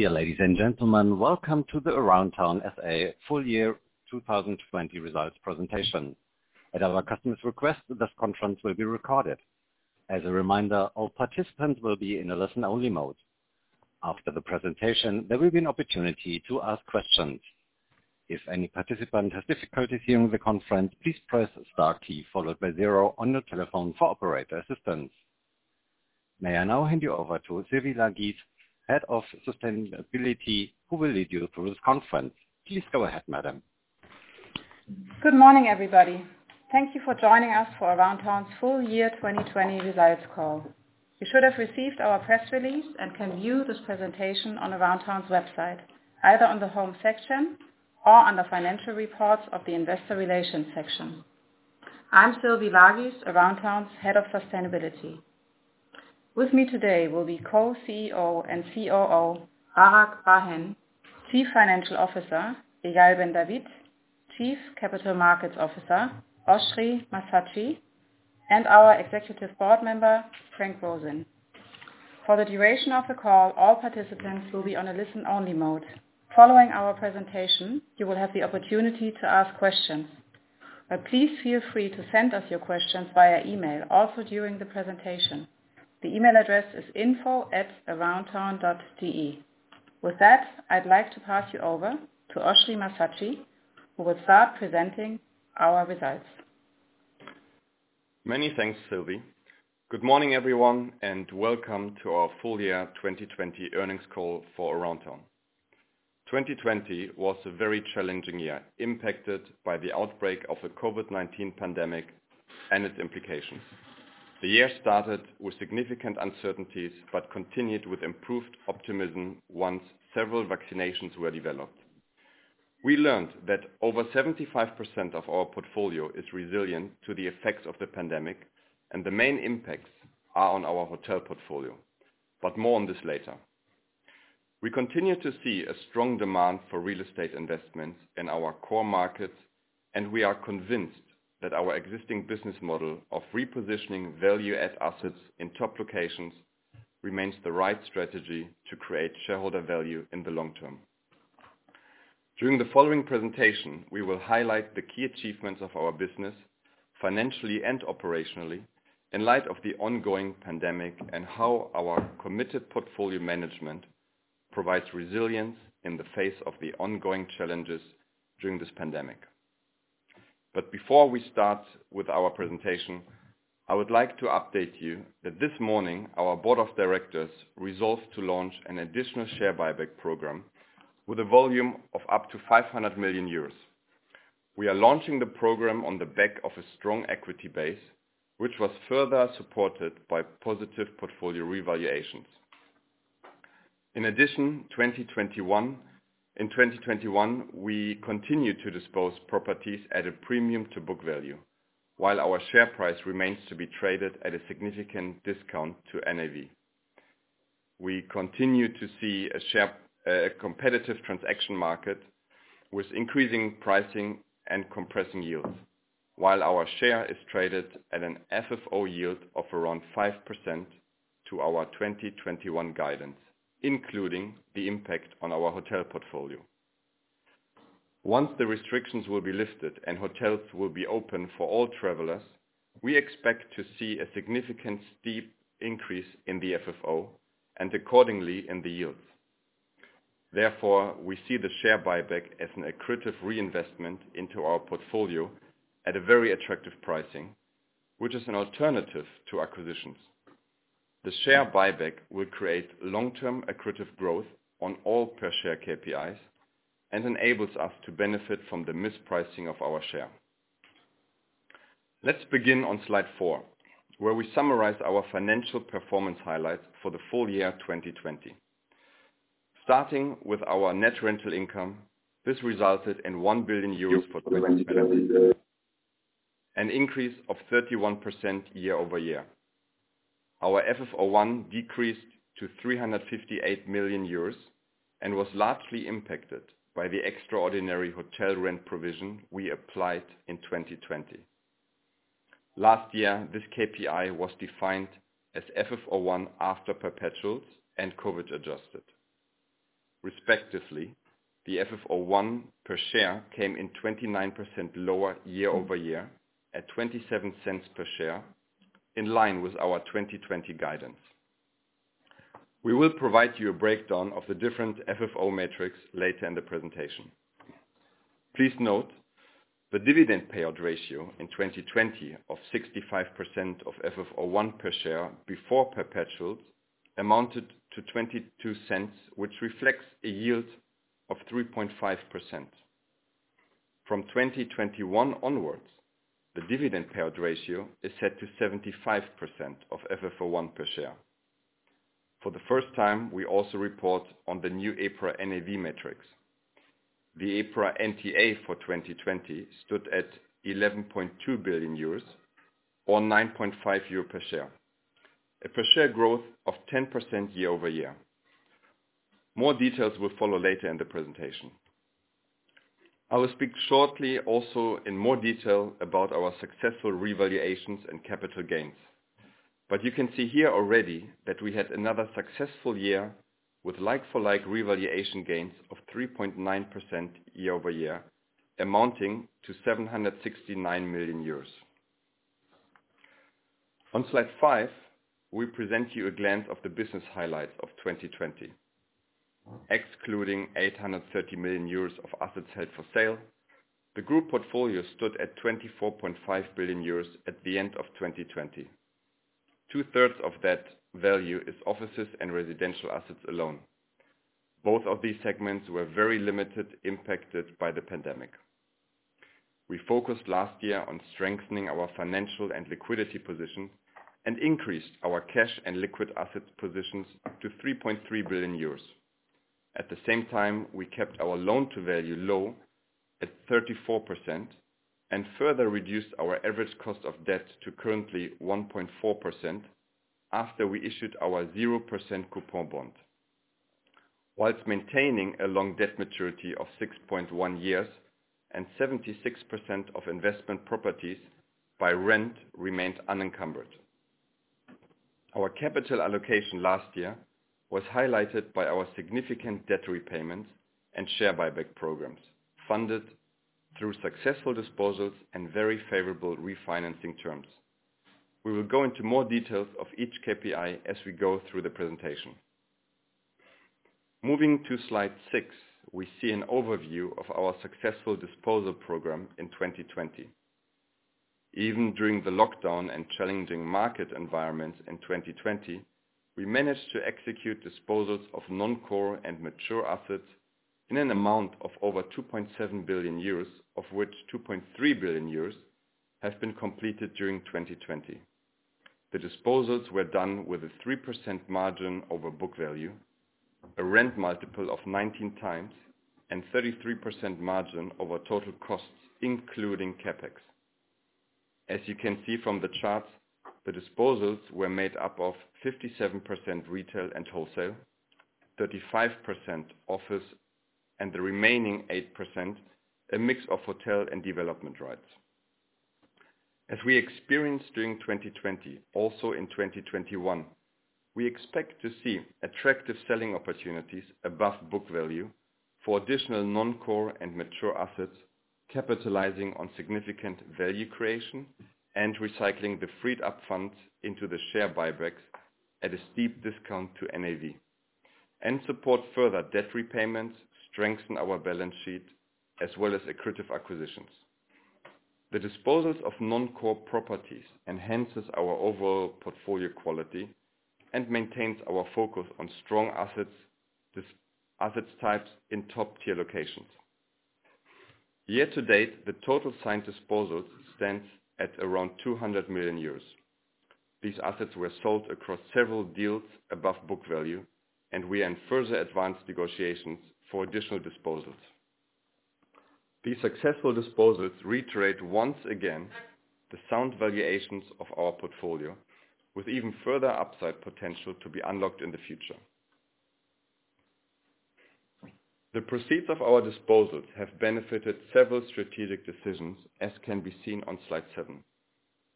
Dear ladies and gentlemen, welcome to the Aroundtown SA Full Year 2020 Results Presentation. At our customers' request, this conference will be recorded. As a reminder, all participants will be in a listen-only mode. After the presentation, there will be an opportunity to ask questions. If any participant has difficulty hearing the conference, please press star key, followed by zero on your telephone for operator assistance. May I now hand you over to Sylvie Lagies, Head of Sustainability, who will lead you through this conference. Please go ahead, madam. Good morning, everybody. Thank you for joining us for Aroundtown's Full Year 2020 Results call. You should have received our press release and can view this presentation on Aroundtown's website, either on the Home section or under Financial Reports of the Investor Relations section. I'm Sylvie Lagies, Aroundtown's head of Sustainability. With me today will be co-CEO and COO, Barak Bar-Hen, Chief Financial Officer, Eyal Ben-David, Chief Capital Markets Officer, Oschrie Massatschi, and our executive board member, Frank Roseen. For the duration of the call, all participants will be on a listen-only mode. Following our presentation, you will have the opportunity to ask questions. Please feel free to send us your questions via email, also during the presentation. The email address is info@aroundtown.de. With that, I'd like to pass you over to Oschrie Massatschi, who will start presenting our results. Many thanks, Sylvie. Good morning, everyone, and welcome to our full year 2020 earnings call for Aroundtown. 2020 was a very challenging year, impacted by the outbreak of the COVID-19 pandemic and its implications. The year started with significant uncertainties, but continued with improved optimism once several vaccinations were developed. We learned that over 75% of our portfolio is resilient to the effects of the pandemic, and the main impacts are on our hotel portfolio. But more on this later. We continue to see a strong demand for real estate investments in our core markets, and we are convinced that our existing business model of repositioning value-add assets in top locations remains the right strategy to create shareholder value in the long term. During the following presentation, we will highlight the key achievements of our business, financially and operationally, in light of the ongoing pandemic, and how our committed portfolio management provides resilience in the face of the ongoing challenges during this pandemic. Before we start with our presentation, I would like to update you that this morning, our board of directors resolved to launch an additional share buyback program with a volume of up to 500 million euros. We are launching the program on the back of a strong equity base, which was further supported by positive portfolio revaluations. In addition, in 2021, we continued to dispose properties at a premium to book value, while our share price remains to be traded at a significant discount to NAV. We continue to see a share, a competitive transaction market with increasing pricing and compressing yields, while our share is traded at an FFO yield of around 5% to our 2021 guidance, including the impact on our hotel portfolio. Once the restrictions will be lifted and hotels will be open for all travelers, we expect to see a significant steep increase in the FFO, and accordingly in the yields. Therefore, we see the share buyback as an accretive reinvestment into our portfolio at a very attractive pricing, which is an alternative to acquisitions. The share buyback will create long-term accretive growth on all per share KPIs and enables us to benefit from the mispricing of our share. Let's begin on slide four, where we summarize our financial performance highlights for the full year 2020. Starting with our net rental income, this resulted in 1 billion euros, an increase of 31% year-over-year. Our FFO 1 decreased to 358 million euros, and was largely impacted by the extraordinary hotel rent provision we applied in 2020. Last year, this KPI was defined as FFO 1 after perpetuals and COVID adjusted. Respectively, the FFO 1 per share came in 29% lower year-over-year, at 0.27 per share, in line with our 2020 guidance. We will provide you a breakdown of the different FFO metrics later in the presentation. Please note, the dividend payout ratio in 2020 of 65% of FFO 1per share before perpetuals, amounted to 0.22, which reflects a yield of 3.5%. From 2021 onwards, the dividend payout ratio is set to 75% of FFO 1 per share. For the first time, we also report on the new EPRA NAV metrics. The EPRA NTA for 2020 stood at 11.2 billion euros, or 9.5 euro per share. A per share growth of 10% year-over-year. More details will follow later in the presentation. I will speak shortly also in more detail about our successful revaluations and capital gains. But you can see here already that we had another successful year with like-for-like revaluation gains of 3.9% year-over-year, amounting to 769 million euros. On slide five, we present you a glance of the business highlights of 2020. Excluding 830 million euros of assets held for sale, the group portfolio stood at 24.5 billion euros at the end of 2020. Two-thirds of that value is offices and residential assets alone. Both of these segments were very limited, impacted by the pandemic. We focused last year on strengthening our financial and liquidity position, and increased our cash and liquid assets positions up to 3.3 billion euros. At the same time, we kept our loan-to-value low at 34%, and further reduced our average cost of debt to currently 1.4%, after we issued our 0% coupon bond. Whilst maintaining a long debt maturity of 6.1 years and 76% of investment properties by rent remained unencumbered. Our capital allocation last year was highlighted by our significant debt repayments and share buyback programs, funded through successful disposals and very favorable refinancing terms. We will go into more details of each KPI as we go through the presentation. Moving to slide six, we see an overview of our successful disposal program in 2020. Even during the lockdown and challenging market environments in 2020, we managed to execute disposals of non-core and mature assets in an amount of over 2.7 billion, of which 2.3 billion have been completed during 2020. The disposals were done with a 3% margin over book value, a rent multiple of 19x, and 33% margin over total costs, including CapEx. As you can see from the charts, the disposals were made up of 57% retail and wholesale, 35% office, and the remaining 8%, a mix of hotel and development rights. As we experienced during 2020, also in 2021, we expect to see attractive selling opportunities above book value for additional non-core and mature assets, capitalizing on significant value creation, and recycling the freed up funds into the share buybacks at a steep discount to NAV. Support further debt repayments, strengthen our balance sheet, as well as accretive acquisitions. The disposals of non-core properties enhances our overall portfolio quality and maintains our focus on strong assets, desired asset types in top-tier locations. Year to date, the total signed disposals stands at around 200 million euros. These assets were sold across several deals above book value, and we are in further advanced negotiations for additional disposals. These successful disposals reiterate once again, the sound valuations of our portfolio with even further upside potential to be unlocked in the future. The proceeds of our disposals have benefited several strategic decisions, as can be seen on slide seven.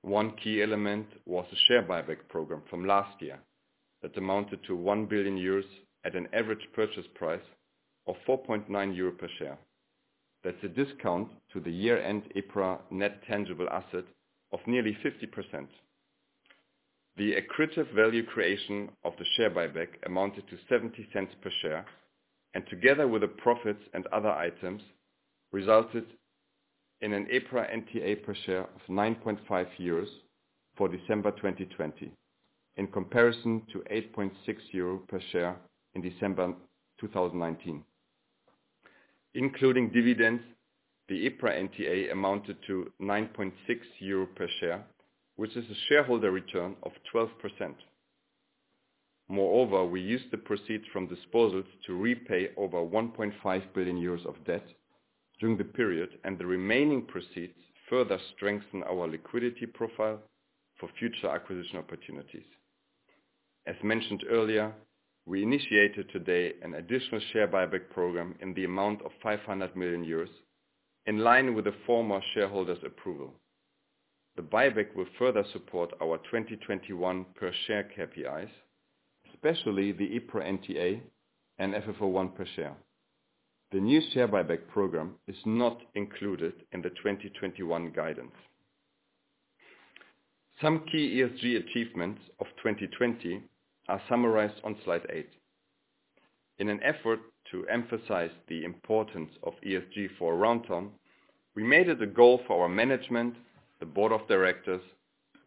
One key element was a share buyback program from last year, that amounted to 1 billion euros at an average purchase price of 4.9 euro per share. That's a discount to the year-end EPRA net tangible asset of nearly 50%. The accretive value creation of the share buyback amounted to 0.70 per share, and together with the profits and other items, resulted in an EPRA NTA per share of 9.5 euros for December 2020, in comparison to 8.6 euros per share in December 2019. Including dividends, the EPRA NTA amounted to 9.6 euro per share, which is a shareholder return of 12%. Moreover, we used the proceeds from disposals to repay over 1.5 billion euros of debt during the period, and the remaining proceeds further strengthen our liquidity profile for future acquisition opportunities. As mentioned earlier, we initiated today an additional share buyback program in the amount of 500 million euros, in line with the former shareholders' approval. The buyback will further support our 2021 per share KPIs, especially the EPRA NTA and FFO 1 per share. The new share buyback program is not included in the 2021 guidance. Some key ESG achievements of 2020 are summarized on slide eight. In an effort to emphasize the importance of ESG for Aroundtown, we made it a goal for our management, the board of directors,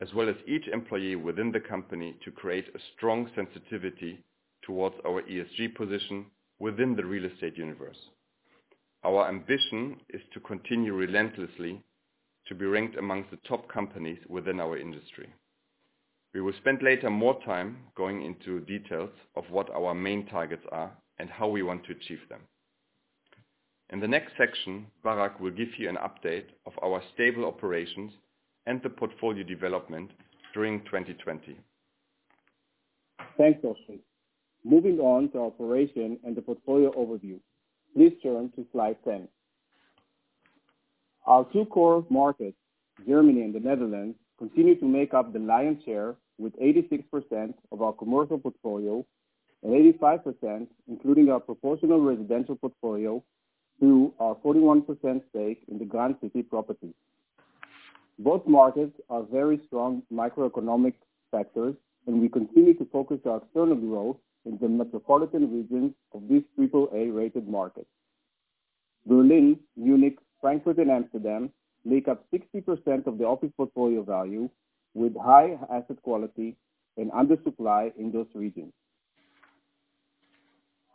as well as each employee within the company, to create a strong sensitivity towards our ESG position within the real estate universe. Our ambition is to continue relentlessly to be ranked amongst the top companies within our industry. We will spend later more time going into details of what our main targets are and how we want to achieve them. In the next section, Barak will give you an update of our stable operations and the portfolio development during 2020.... Thanks, Oschrie. Moving on to operation and the portfolio overview. Please turn to slide 10. Our two core markets, Germany and the Netherlands, continue to make up the lion's share, with 86% of our commercial portfolio and 85%, including our proportional residential portfolio, to our 41% stake in the Grand City Properties. Both markets are very strong microeconomic sectors, and we continue to focus our external growth in the metropolitan regions of these triple A-rated markets. Berlin, Munich, Frankfurt, and Amsterdam make up 60% of the office portfolio value, with high asset quality and under supply in those regions.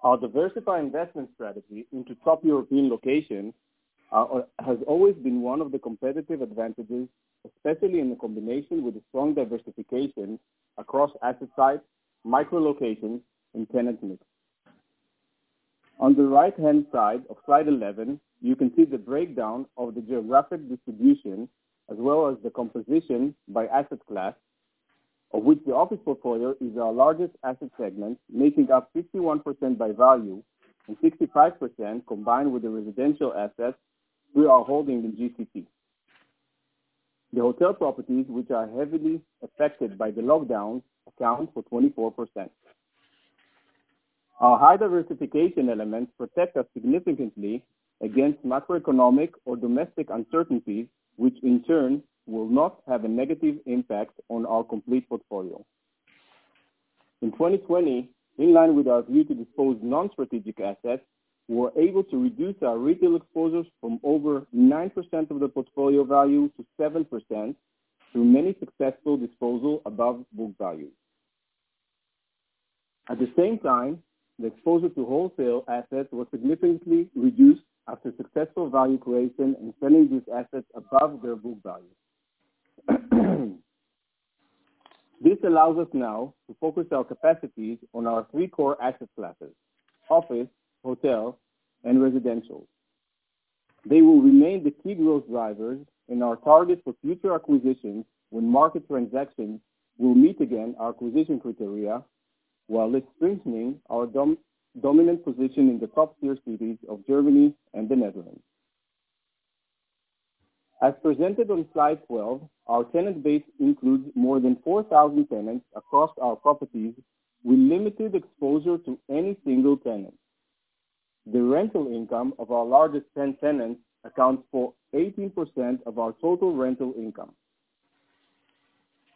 Our diversified investment strategy into top European locations has always been one of the competitive advantages, especially in the combination with a strong diversification across asset types, micro locations, and tenant mix. On the right-hand side of slide 11, you can see the breakdown of the geographic distribution, as well as the composition by asset class, of which the office portfolio is our largest asset segment, making up 51% by value and 65% combined with the residential assets we are holding in GCP. The hotel properties, which are heavily affected by the lockdowns, account for 24%. Our high diversification elements protect us significantly against macroeconomic or domestic uncertainties, which in turn will not have a negative impact on our complete portfolio. In 2020, in line with our view to dispose non-strategic assets, we were able to reduce our retail exposures from over 9% of the portfolio value to 7%, through many successful disposal above book value. At the same time, the exposure to wholesale assets was significantly reduced after successful value creation and selling these assets above their book value. This allows us now to focus our capacities on our three core asset classes: office, hotel, and residential. They will remain the key growth drivers in our target for future acquisitions when market transactions will meet again our acquisition criteria, while strengthening our dominant position in the top-tier cities of Germany and the Netherlands. As presented on slide 12, our tenant base includes more than 4,000 tenants across our properties, with limited exposure to any single tenant. The rental income of our largest 10 tenants accounts for 18% of our total rental income.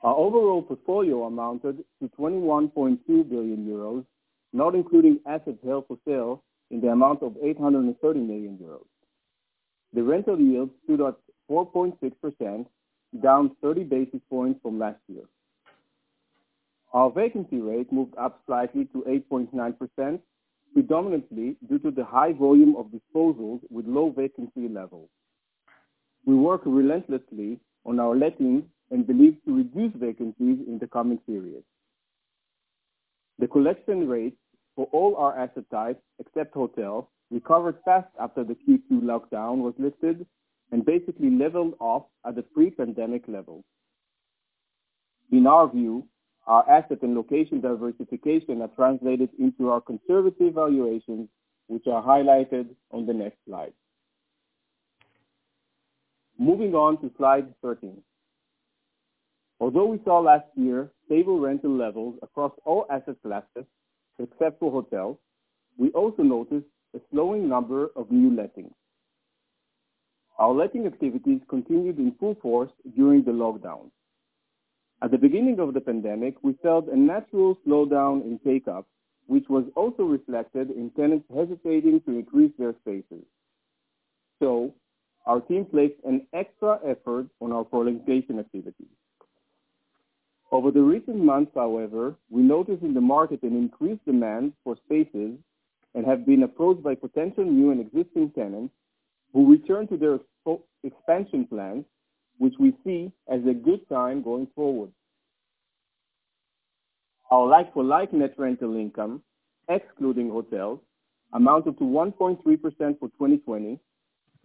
Our overall portfolio amounted to 21.2 billion euros, not including assets held for sale in the amount of 830 million euros. The rental yield stood at 4.6%, down 30 basis points from last year. Our vacancy rate moved up slightly to 8.9%, predominantly due to the high volume of disposals with low vacancy levels. We work relentlessly on our lettings and believe to reduce vacancies in the coming period. The collection rates for all our asset types, except hotel, recovered fast after the Q2 lockdown was lifted and basically leveled off at the pre-pandemic level. In our view, our asset and location diversification are translated into our conservative valuations, which are highlighted on the next slide. Moving on to slide 13. Although we saw last year stable rental levels across all asset classes, except for hotels, we also noticed a slowing number of new lettings. Our letting activities continued in full force during the lockdown. At the beginning of the pandemic, we felt a natural slowdown in take-up, which was also reflected in tenants hesitating to increase their spaces. So our team placed an extra effort on our presentation activities. Over the recent months, however, we noticed in the market an increased demand for spaces and have been approached by potential new and existing tenants who returned to their expansion plans, which we see as a good sign going forward. Our like-for-like net rental income, excluding hotels, amounted to 1.3% for 2020,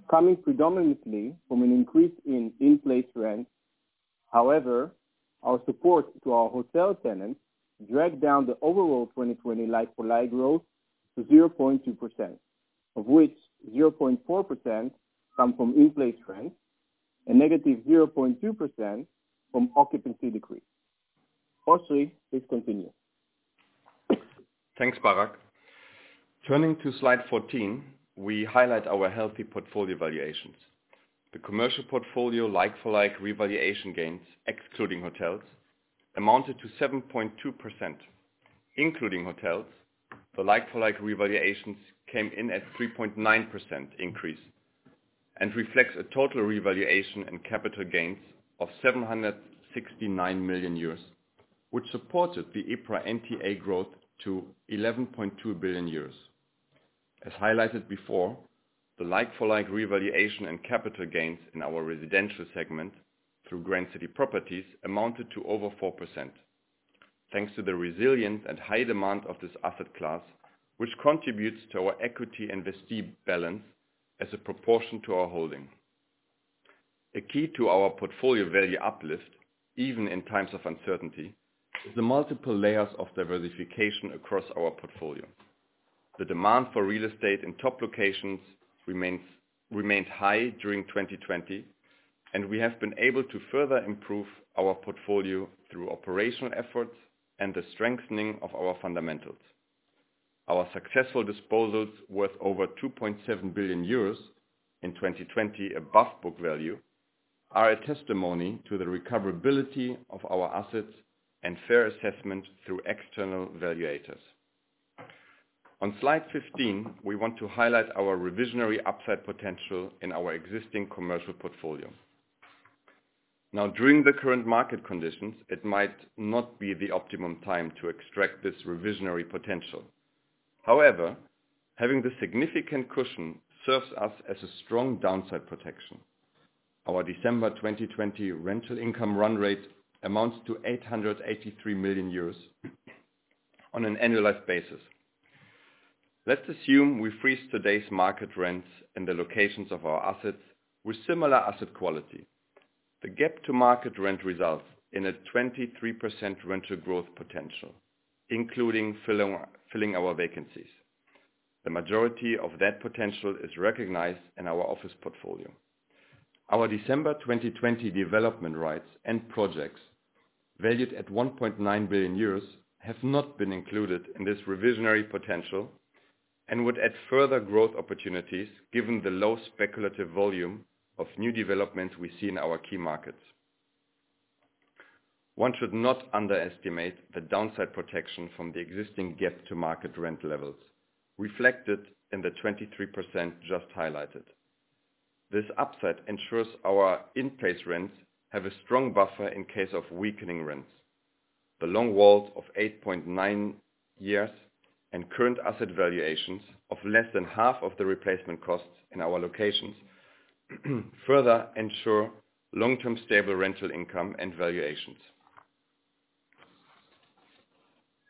coming predominantly from an increase in in-place rents. However, our support to our hotel tenants dragged down the overall 2020 like-for-like growth to 0.2%, of which 0.4% come from in-place rents and -0.2% from occupancy decrease. Oschrie, please continue. Thanks, Barak. Turning to slide 14, we highlight our healthy portfolio valuations. The commercial portfolio like-for-like revaluation gains, excluding hotels, amounted to 7.2%. Including hotels, the like-for-like revaluations came in at 3.9% increase and reflects a total revaluation and capital gains of 769 million euros, which supported the EPRA NTA growth to 11.2 billion euros. As highlighted before, the like-for-like revaluation and capital gains in our residential segment through Grand City Properties amounted to over 4%, thanks to the resilience and high demand of this asset class, which contributes to our equity and investment balance as a proportion to our holding... A key to our portfolio value uplift, even in times of uncertainty, is the multiple layers of diversification across our portfolio. The demand for real estate in top locations remains, remained high during 2020, and we have been able to further improve our portfolio through operational efforts and the strengthening of our fundamentals. Our successful disposals worth over 2.7 billion euros in 2020, above book value, are a testimony to the recoverability of our assets and fair assessment through external valuators. On slide 15, we want to highlight our reversionary upside potential in our existing commercial portfolio. Now, during the current market conditions, it might not be the optimum time to extract this reversionary potential. However, having the significant cushion serves us as a strong downside protection. Our December 2020 rental income run rate amounts to 883 million euros on an annualized basis. Let's assume we freeze today's market rents and the locations of our assets with similar asset quality. The gap to market rent results in a 23% rental growth potential, including filling our vacancies. The majority of that potential is recognized in our office portfolio. Our December 2020 development rights and projects, valued at 1.9 billion euros, have not been included in this reversionary potential and would add further growth opportunities, given the low speculative volume of new developments we see in our key markets. One should not underestimate the downside protection from the existing gap to market rent levels, reflected in the 23% just highlighted. This upside ensures our in-place rents have a strong buffer in case of weakening rents. The long WAULTs of 8.9 years and current asset valuations of less than half of the replacement costs in our locations, further ensure long-term stable rental income and valuations.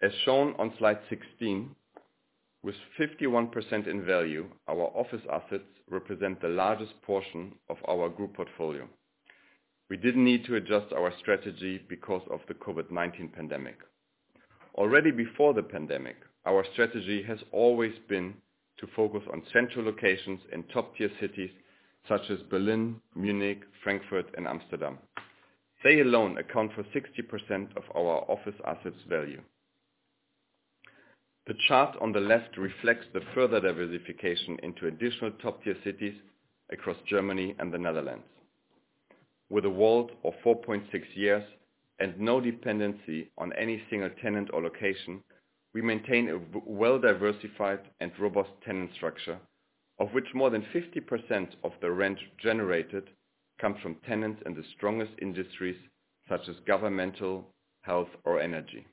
As shown on slide 16, with 51% in value, our office assets represent the largest portion of our group portfolio. We didn't need to adjust our strategy because of the COVID-19 pandemic. Already before the pandemic, our strategy has always been to focus on central locations in top-tier cities such as Berlin, Munich, Frankfurt and Amsterdam. They alone account for 60% of our office assets value. The chart on the left reflects the further diversification into additional top-tier cities across Germany and the Netherlands. With a WAULT of 4.6 years and no dependency on any single tenant or location, we maintain a well-diversified and robust tenant structure, of which more than 50% of the rent generated comes from tenants in the strongest industries, such as governmental, health, or energy.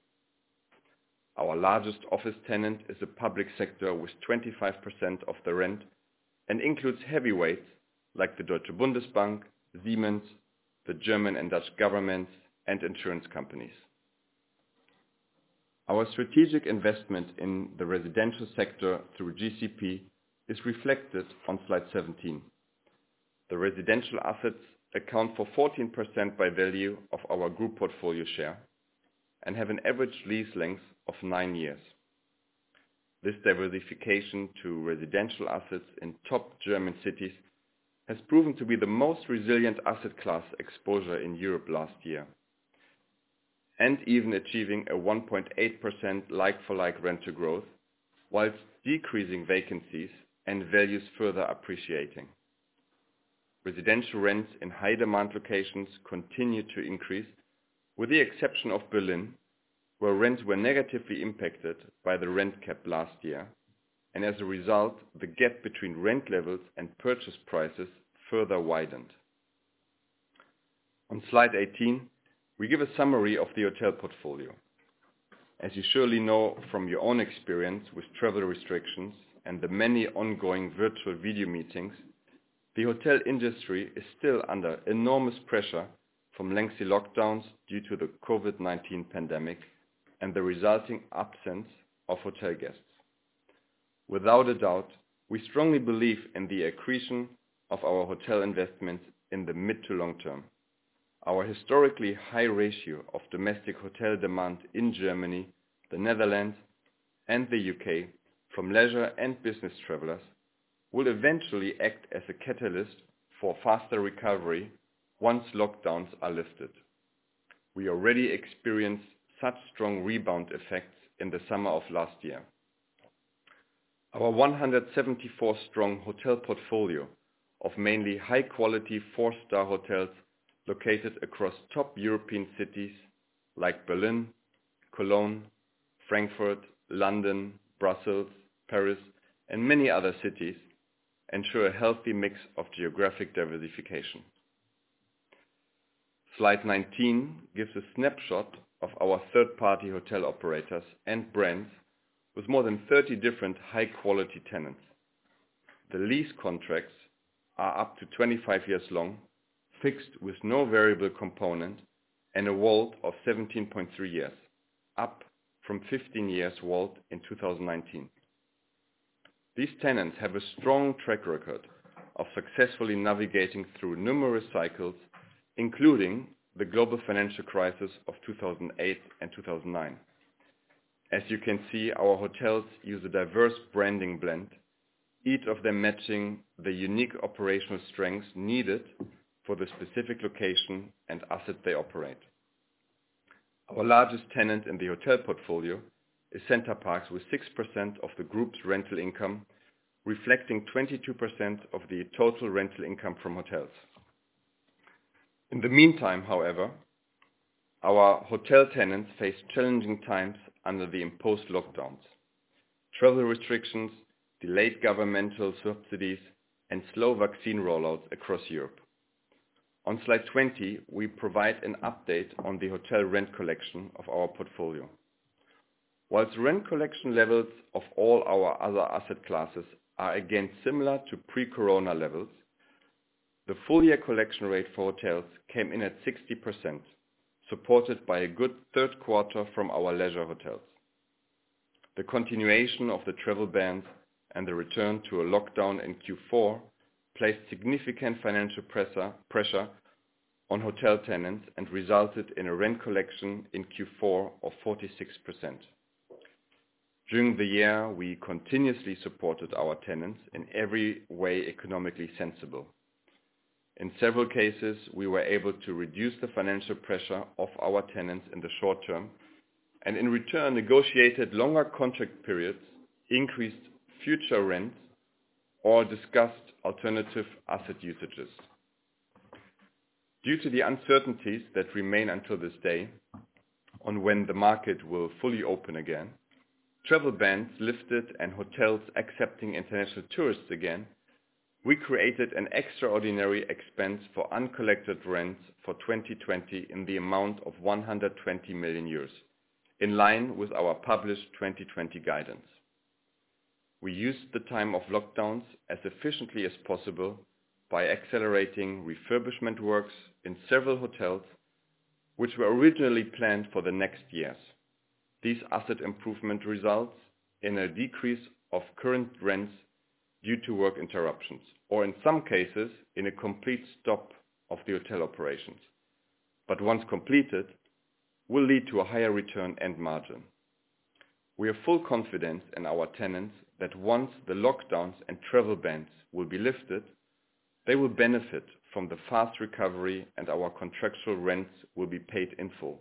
Our largest office tenant is a public sector with 25% of the rent and includes heavyweights like the Deutsche Bundesbank, Siemens, the German and Dutch governments, and insurance companies. Our strategic investment in the residential sector through GCP is reflected on slide 17. The residential assets account for 14% by value of our group portfolio share and have an average lease length of 9 years. This diversification to residential assets in top German cities has proven to be the most resilient asset class exposure in Europe last year, and even achieving a 1.8% like-for-like rental growth, whilst decreasing vacancies and values further appreciating. Residential rents in high-demand locations continued to increase, with the exception of Berlin, where rents were negatively impacted by the rent cap last year, and as a result, the gap between rent levels and purchase prices further widened. On slide 18, we give a summary of the hotel portfolio. As you surely know from your own experience with travel restrictions and the many ongoing virtual video meetings, the hotel industry is still under enormous pressure from lengthy lockdowns due to the COVID-19 pandemic and the resulting absence of hotel guests. Without a doubt, we strongly believe in the accretion of our hotel investments in the mid to long term. Our historically high ratio of domestic hotel demand in Germany, the Netherlands, and the UK from leisure and business travelers, will eventually act as a catalyst for faster recovery once lockdowns are lifted. We already experienced such strong rebound effects in the summer of last year. Our 174-strong hotel portfolio of mainly high-quality four-star hotels located across top European cities like Berlin, Cologne, Frankfurt, London, Brussels, Paris, and many other cities, ensure a healthy mix of geographic diversification. Slide 19 gives a snapshot of our third-party hotel operators and brands with more than 30 different high-quality tenants. The lease contracts are up to 25 years long, fixed with no variable component, and a WAULT of 17.3 years, up from 15 years WAULT in 2019. These tenants have a strong track record of successfully navigating through numerous cycles, including the global financial crisis of 2008 and 2009. As you can see, our hotels use a diverse branding blend, each of them matching the unique operational strengths needed for the specific location and assets they operate. Our largest tenant in the hotel portfolio is Center Parcs, with 6% of the group's rental income, reflecting 22% of the total rental income from hotels. In the meantime, however, our hotel tenants face challenging times under the imposed lockdowns, travel restrictions, delayed governmental subsidies, and slow vaccine rollouts across Europe. On slide 20, we provide an update on the hotel rent collection of our portfolio. Whilst rent collection levels of all our other asset classes are again similar to pre-corona levels, the full year collection rate for hotels came in at 60%, supported by a good third quarter from our leisure hotels. The continuation of the travel ban and the return to a lockdown in Q4 placed significant financial pressure on hotel tenants and resulted in a rent collection in Q4 of 46%. During the year, we continuously supported our tenants in every way economically sensible. In several cases, we were able to reduce the financial pressure of our tenants in the short term, and in return, negotiated longer contract periods, increased future rent, or discussed alternative asset usages. Due to the uncertainties that remain until this day, on when the market will fully open again, travel bans lifted and hotels accepting international tourists again, we created an extraordinary expense for uncollected rents for 2020 in the amount of 120 million euros, in line with our published 2020 guidance. We used the time of lockdowns as efficiently as possible by accelerating refurbishment works in several hotels, which were originally planned for the next years. These asset improvement results in a decrease of current rents due to work interruptions, or in some cases, in a complete stop of the hotel operations. But once completed, will lead to a higher return and margin. We have full confidence in our tenants that once the lockdowns and travel bans will be lifted, they will benefit from the fast recovery, and our contractual rents will be paid in full.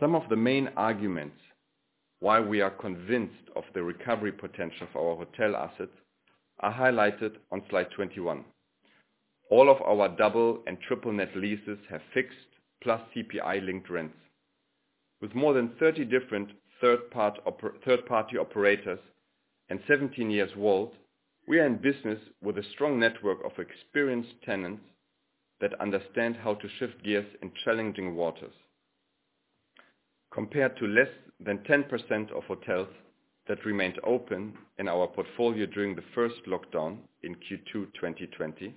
Some of the main arguments why we are convinced of the recovery potential of our hotel assets are highlighted on slide 21. All of our double and triple net leases have fixed plus CPI-linked rents. With more than 30 different third party operators and 17 years vault, we are in business with a strong network of experienced tenants that understand how to shift gears in challenging waters. Compared to less than 10% of hotels that remained open in our portfolio during the first lockdown in Q2 2020,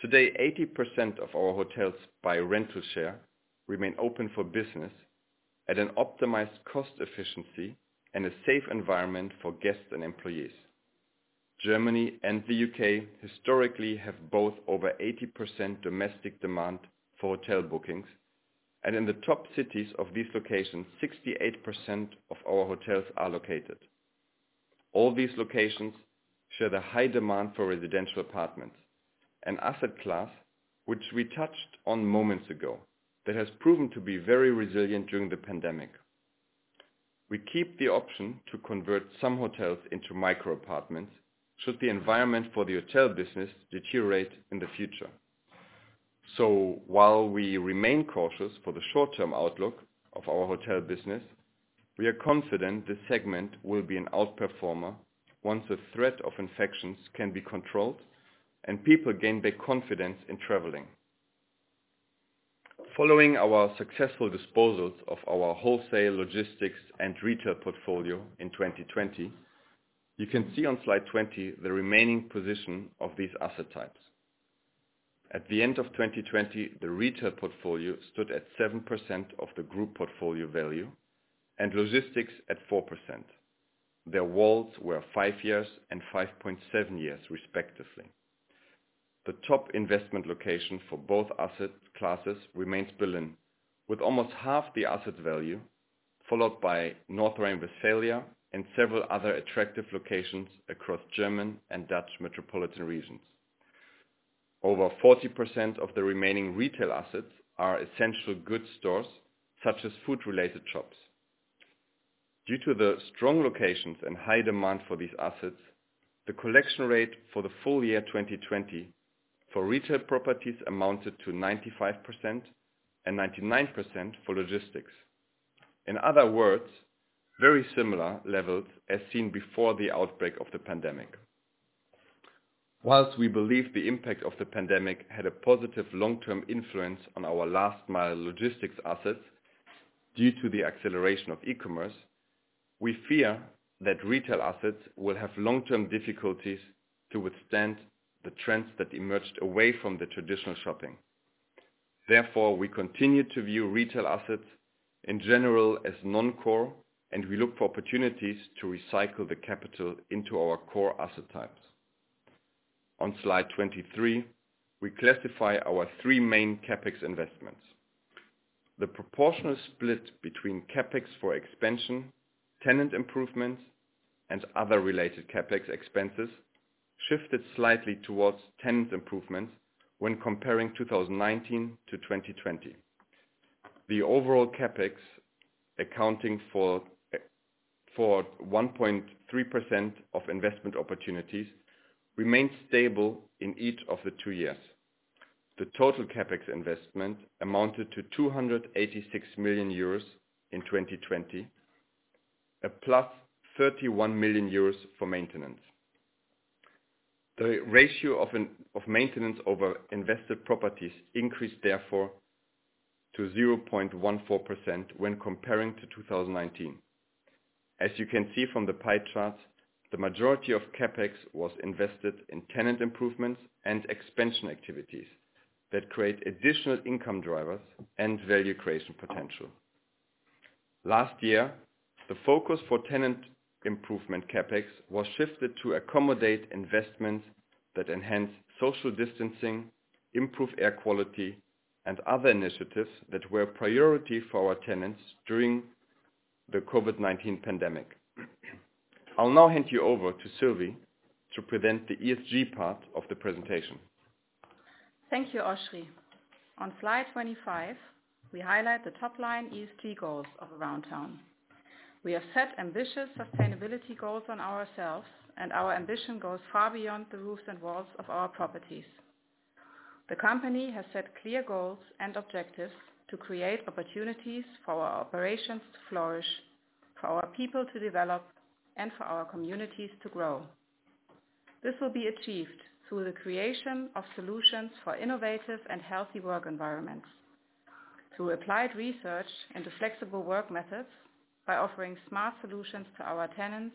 today, 80% of our hotels by rental share, remain open for business at an optimized cost efficiency and a safe environment for guests and employees. Germany and the UK historically have both over 80% domestic demand for hotel bookings, and in the top cities of these locations, 68% of our hotels are located. All these locations share the high demand for residential apartments, an asset class, which we touched on moments ago, that has proven to be very resilient during the pandemic. We keep the option to convert some hotels into micro apartments, should the environment for the hotel business deteriorate in the future. So while we remain cautious for the short-term outlook of our hotel business, we are confident this segment will be an outperformer once the threat of infections can be controlled and people gain their confidence in traveling. Following our successful disposals of our wholesale, logistics, and retail portfolio in 2020, you can see on slide 20, the remaining position of these asset types. At the end of 2020, the retail portfolio stood at 7% of the group portfolio value, and logistics at 4%. Their WALTs were 5 years and 5.7 years, respectively. The top investment location for both asset classes remains Berlin, with almost half the asset value, followed by North Rhine-Westphalia, and several other attractive locations across German and Dutch metropolitan regions. Over 40% of the remaining retail assets are essential goods stores, such as food-related shops. Due to the strong locations and high demand for these assets, the collection rate for the full year 2020, for retail properties amounted to 95% and 99% for logistics. In other words, very similar levels as seen before the outbreak of the pandemic. Whilst we believe the impact of the pandemic had a positive long-term influence on our last mile logistics assets, due to the acceleration of e-commerce, we fear that retail assets will have long-term difficulties to withstand the trends that emerged away from the traditional shopping.... therefore, we continue to view retail assets in general as non-core, and we look for opportunities to recycle the capital into our core asset types. On slide 23, we classify our three main CapEx investments. The proportional split between CapEx for expansion, tenant improvements, and other related CapEx expenses shifted slightly towards tenant improvements when comparing 2019 to 2020. The overall CapEx, accounting for 1.3% of investment opportunities, remained stable in each of the two years. The total CapEx investment amounted to 286 million euros in 2020, +31 million euros for maintenance. The ratio of of maintenance over invested properties increased therefore to 0.14% when comparing to 2019. As you can see from the pie charts, the majority of CapEx was invested in tenant improvements and expansion activities, that create additional income drivers and value creation potential. Last year, the focus for tenant improvement CapEx was shifted to accommodate investments that enhance social distancing, improve air quality, and other initiatives that were a priority for our tenants during the COVID-19 pandemic. I'll now hand you over to Sylvie to present the ESG part of the presentation. Thank you, Oschrie. On slide 25, we highlight the top line ESG goals of Aroundtown. We have set ambitious sustainability goals on ourselves, and our ambition goes far beyond the roofs and walls of our properties. The company has set clear goals and objectives to create opportunities for our operations to flourish, for our people to develop, and for our communities to grow. This will be achieved through the creation of solutions for innovative and healthy work environments, through applied research into flexible work methods, by offering smart solutions to our tenants,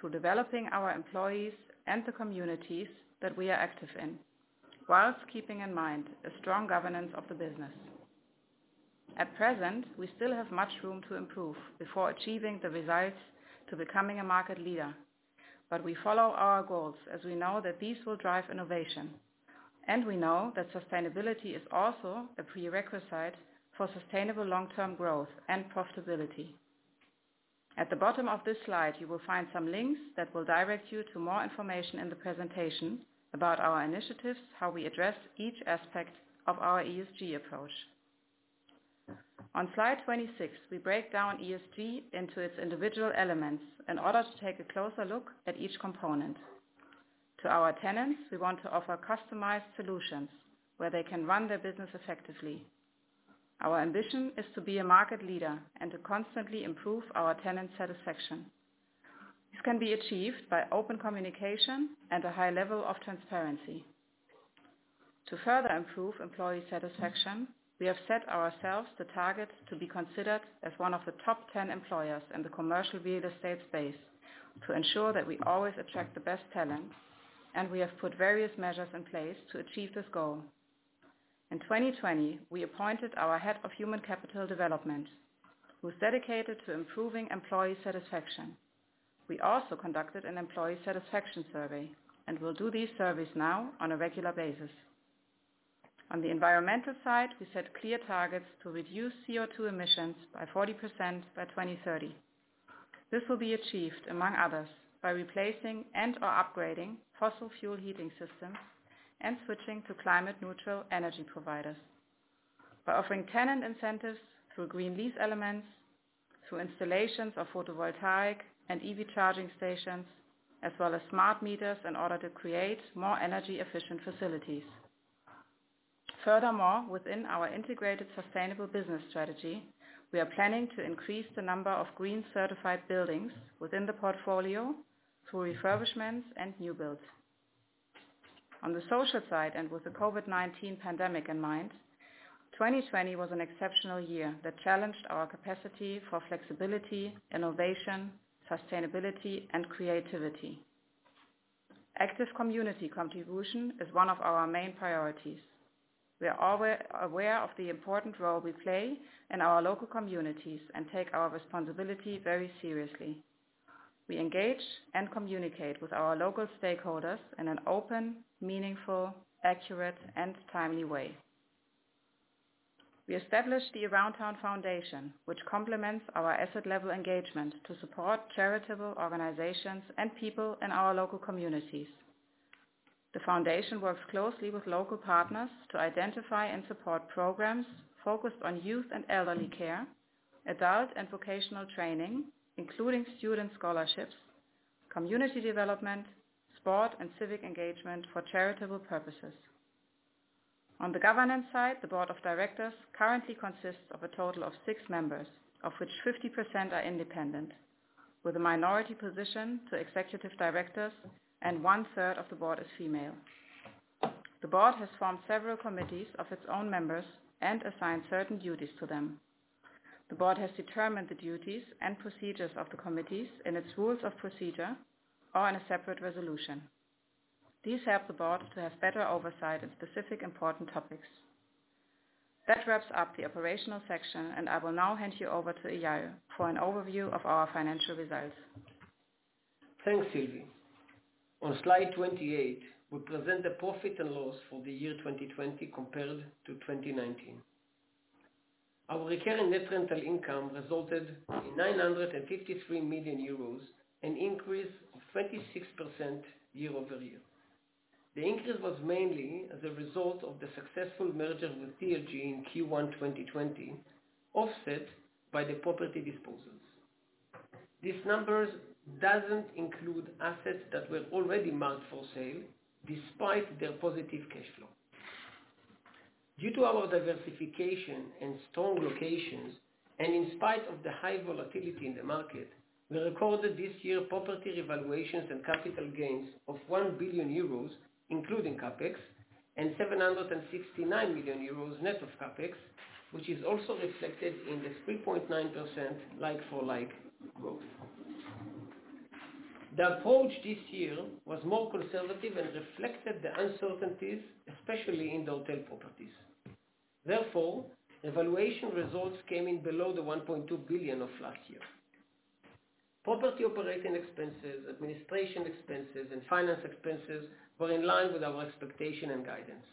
through developing our employees and the communities that we are active in, while keeping in mind a strong governance of the business. At present, we still have much room to improve before achieving the results to becoming a market leader. We follow our goals, as we know that these will drive innovation, and we know that sustainability is also a prerequisite for sustainable long-term growth and profitability. At the bottom of this slide, you will find some links that will direct you to more information in the presentation about our initiatives, how we address each aspect of our ESG approach. On slide 26, we break down ESG into its individual elements in order to take a closer look at each component. To our tenants, we want to offer customized solutions where they can run their business effectively. Our ambition is to be a market leader and to constantly improve our tenant satisfaction. This can be achieved by open communication and a high level of transparency. To further improve employee satisfaction, we have set ourselves the target to be considered as one of the top 10 employers in the commercial real estate space, to ensure that we always attract the best talent, and we have put various measures in place to achieve this goal. In 2020, we appointed our head of human capital development, who is dedicated to improving employee satisfaction. We also conducted an employee satisfaction survey, and will do these surveys now on a regular basis. On the environmental side, we set clear targets to reduce CO2 emissions by 40% by 2030. This will be achieved, among others, by replacing and/or upgrading fossil fuel heating systems and switching to climate neutral energy providers, by offering tenant incentives through green lease elements, through installations of photovoltaic and EV charging stations, as well as smart meters in order to create more energy efficient facilities. Furthermore, within our integrated sustainable business strategy, we are planning to increase the number of green certified buildings within the portfolio through refurbishments and new builds. On the social side, and with the COVID-19 pandemic in mind, 2020 was an exceptional year that challenged our capacity for flexibility, innovation, sustainability, and creativity. Active community contribution is one of our main priorities. We are aware of the important role we play in our local communities and take our responsibility very seriously. We engage and communicate with our local stakeholders in an open, meaningful, accurate, and timely way. We established the Aroundtown Foundation, which complements our asset level engagement to support charitable organizations and people in our local communities. The foundation works closely with local partners to identify and support programs focused on youth and elderly care, adult and vocational training, including student scholarships, community development, sport and civic engagement for charitable purposes. On the governance side, the board of directors currently consists of a total of six members, of which 50% are independent, with a minority position to executive directors, and one third of the board is female. The board has formed several committees of its own members and assigned certain duties to them. The board has determined the duties and procedures of the committees in its rules of procedure or in a separate resolution. These help the board to have better oversight of specific important topics. That wraps up the operational section, and I will now hand you over to Eyal for an overview of our financial results. Thanks, Sylvie. On slide 28, we present the profit and loss for the year 2020 compared to 2019. Our recurring net rental income resulted in 953 million euros, an increase of 26% year-over-year. The increase was mainly as a result of the successful merger with TLG in Q1 2020, offset by the property disposals. These numbers doesn't include assets that were already marked for sale, despite their positive cash flow. Due to our diversification and strong locations, and in spite of the high volatility in the market, we recorded this year property evaluations and capital gains of 1 billion euros, including CapEx, and 769 million euros net of CapEx, which is also reflected in the 3.9% like-for-like growth. The approach this year was more conservative and reflected the uncertainties, especially in the hotel properties. Therefore, evaluation results came in below the 1.2 billion of last year. Property operating expenses, administration expenses, and finance expenses were in line with our expectation and guidance.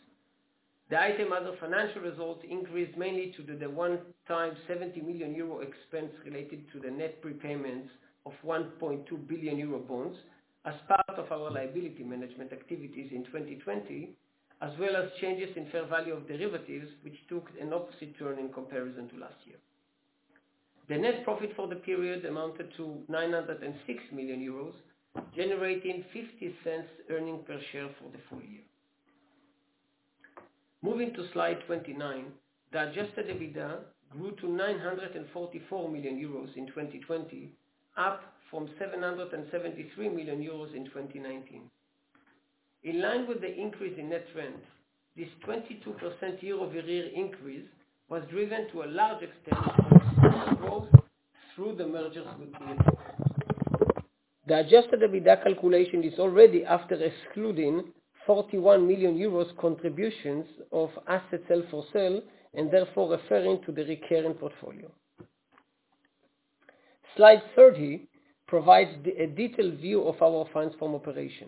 The item other financial results increased mainly due to the one-time 70 million euro expense related to the net prepayments of 1.2 billion euro bonds, as part of our liability management activities in 2020, as well as changes in fair value of derivatives, which took an opposite turn in comparison to last year. The net profit for the period amounted to 906 million euros, generating 0.50 earnings per share for the full year. Moving to slide 29, the adjusted EBITDA grew to 944 million euros in 2020, up from 773 million euros in 2019. In line with the increase in net rent, this 22% year-over-year increase was driven to a large extent through the merger with TLG. The adjusted EBITDA calculation is already after excluding 41 million euros contributions of asset sales for sale, and therefore referring to the recurring portfolio. Slide 30 provides a detailed view of our funds from operation.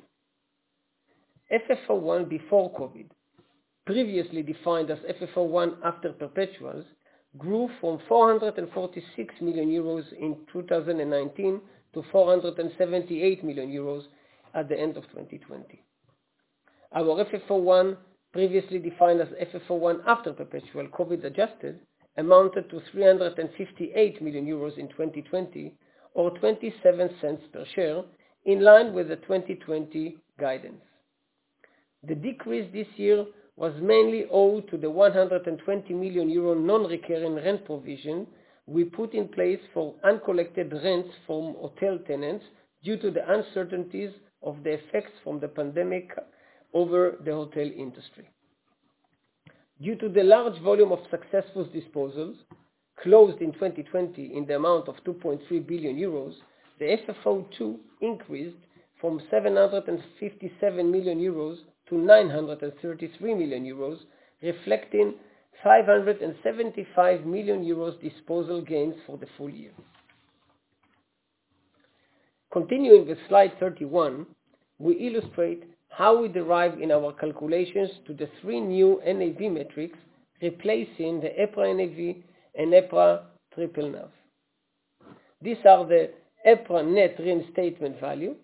FFO-1 before COVID, previously defined as FFO-1 after perpetuals, grew from 446 million euros in 2019 to 478 million euros at the end of 2020. Our FFO-1, previously defined as FFO-1 after perpetual COVID adjusted, amounted to 358 million euros in 2020, or 0.27 per share, in line with the 2020 guidance. The decrease this year was mainly owed to the 120 million euro non-recurring rent provision we put in place for uncollected rents from hotel tenants, due to the uncertainties of the effects from the pandemic over the hotel industry. Due to the large volume of successful disposals closed in 2020, in the amount of 2.3 billion euros, the FFO-2 increased from 757 million euros to 933 million euros, reflecting 575 million euros disposal gains for the full year. Continuing with slide 31, we illustrate how we derive in our calculations to the three new NAV metrics, replacing the EPRA NAV and EPRA triple NAV. These are the EPRA net reinstatement value,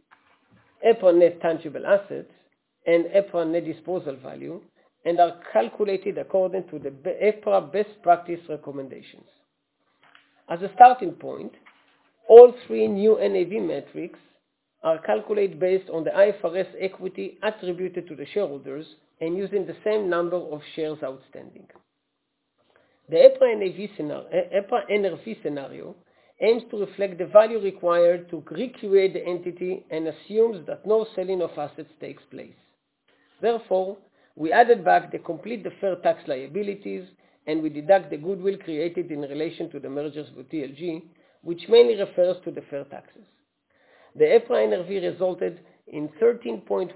EPRA net tangible assets, and EPRA net disposal value, and are calculated according to the EPRA Best Practice recommendations. As a starting point, all three new NAV metrics are calculated based on the IFRS equity attributed to the shareholders and using the same number of shares outstanding. The EPRA NRV scenario aims to reflect the value required to re-create the entity and assumes that no selling of assets takes place. Therefore, we added back the complete deferred tax liabilities, and we deduct the goodwill created in relation to the mergers with TLG, which mainly refers to deferred taxes. The EPRA NRV resulted in 13.1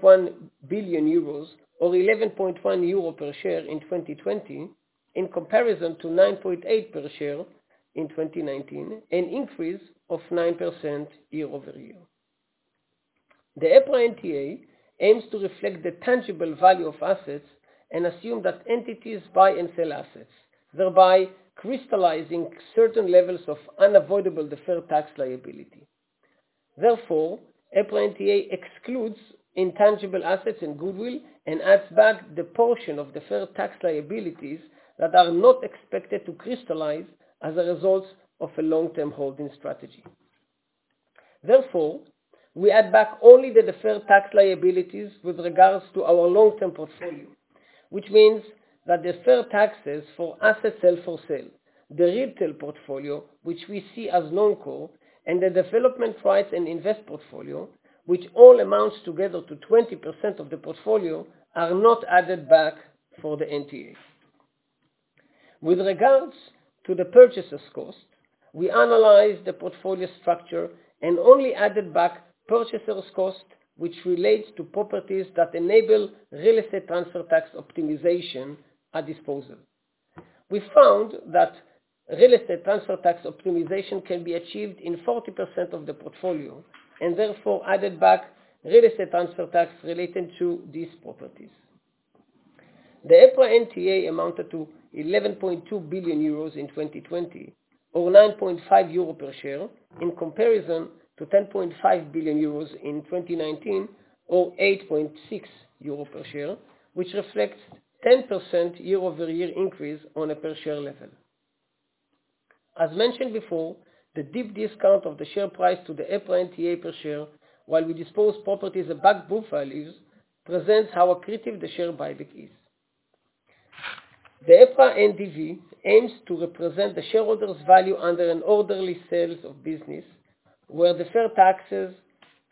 billion euros, or 11.1 euro per share in 2020, in comparison to 9.8 per share in 2019, an increase of 9% year-over-year. The EPRA NTA aims to reflect the tangible value of assets and assume that entities buy and sell assets, thereby crystallizing certain levels of unavoidable deferred tax liability. Therefore, EPRA NTA excludes intangible assets and goodwill, and adds back the portion of deferred tax liabilities that are not expected to crystallize as a result of a long-term holding strategy. Therefore, we add back only the deferred tax liabilities with regards to our long-term portfolio, which means that deferred taxes for assets held for sale, the retail portfolio, which we see as non-core, and the development rights and investment portfolio, which all amounts together to 20% of the portfolio, are not added back for the NTA.... With regards to the purchaser's cost, we analyzed the portfolio structure and only added back purchaser's cost, which relates to properties that enable real estate transfer tax optimization at disposal. We found that real estate transfer tax optimization can be achieved in 40% of the portfolio, and therefore added back real estate transfer tax related to these properties. The EPRA NTA amounted to 11.2 billion euros in 2020, or 9.5 euro per share, in comparison to 10.5 billion euros in 2019, or 8.6 euro per share, which reflects 10% year-over-year increase on a per share level. As mentioned before, the deep discount of the share price to the EPRA NTA per share, while we dispose properties at book values, presents how accretive the share buyback is. The EPRA NDV aims to represent the shareholders' value under an orderly sales of business, where the deferred taxes,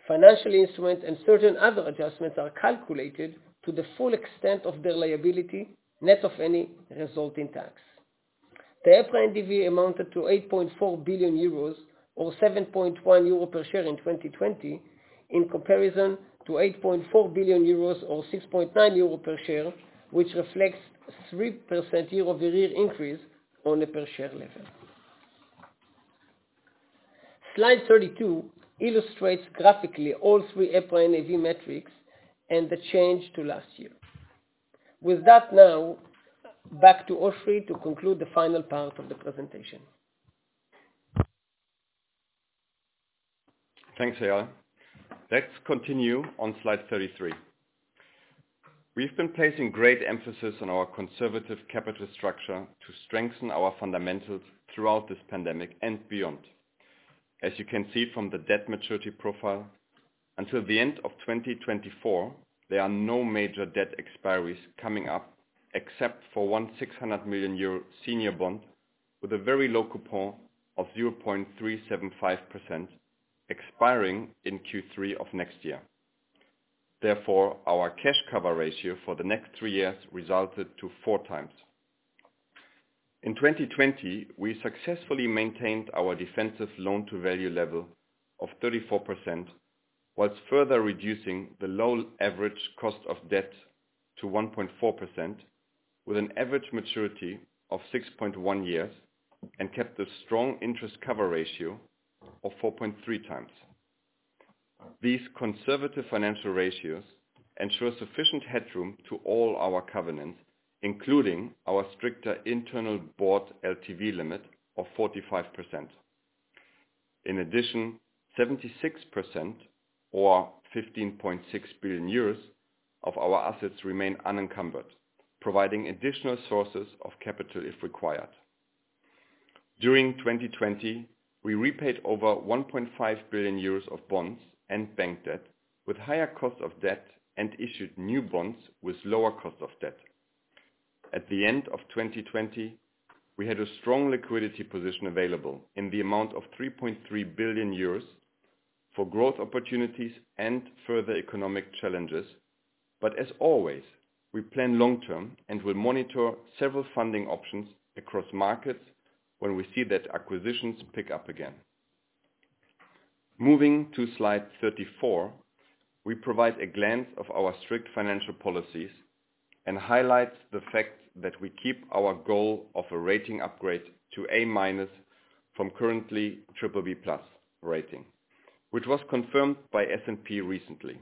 financial instruments, and certain other adjustments are calculated to the full extent of their liability, net of any resulting tax. The EPRA NDV amounted to 8.4 billion euros, or 7.1 euro per share in 2020, in comparison to 8.4 billion euros or 6.9 euro per share, which reflects 3% year-over-year increase on a per share level. Slide 32 illustrates graphically all three EPRA NAV metrics and the change to last year. With that now, back to Oschrie to conclude the final part of the presentation. Thanks, Eyal. Let's continue on slide 33. We've been placing great emphasis on our conservative capital structure to strengthen our fundamentals throughout this pandemic and beyond. As you can see from the debt maturity profile, until the end of 2024, there are no major debt expiries coming up, except for 600 million euro senior bond with a very low coupon of 0.375%, expiring in Q3 of next year. Therefore, our cash cover ratio for the next three years resulted to 4x. In 2020, we successfully maintained our defensive loan-to-value level of 34%, whilst further reducing the low average cost of debt to 1.4%, with an average maturity of 6.1 years, and kept a strong interest cover ratio of 4.3x. These conservative financial ratios ensure sufficient headroom to all our covenants, including our stricter internal board LTV limit of 45%. In addition, 76%, or 15.6 billion euros of our assets remain unencumbered, providing additional sources of capital, if required. During 2020, we repaid over 1.5 billion euros of bonds and bank debt with higher cost of debt, and issued new bonds with lower cost of debt. At the end of 2020, we had a strong liquidity position available in the amount of 3.3 billion euros for growth opportunities and further economic challenges. But as always, we plan long-term and will monitor several funding options across markets when we see that acquisitions pick up again. Moving to slide 34, we provide a glance of our strict financial policies and highlight the fact that we keep our goal of a rating upgrade to A- from currently BBB+ rating, which was confirmed by S&P recently.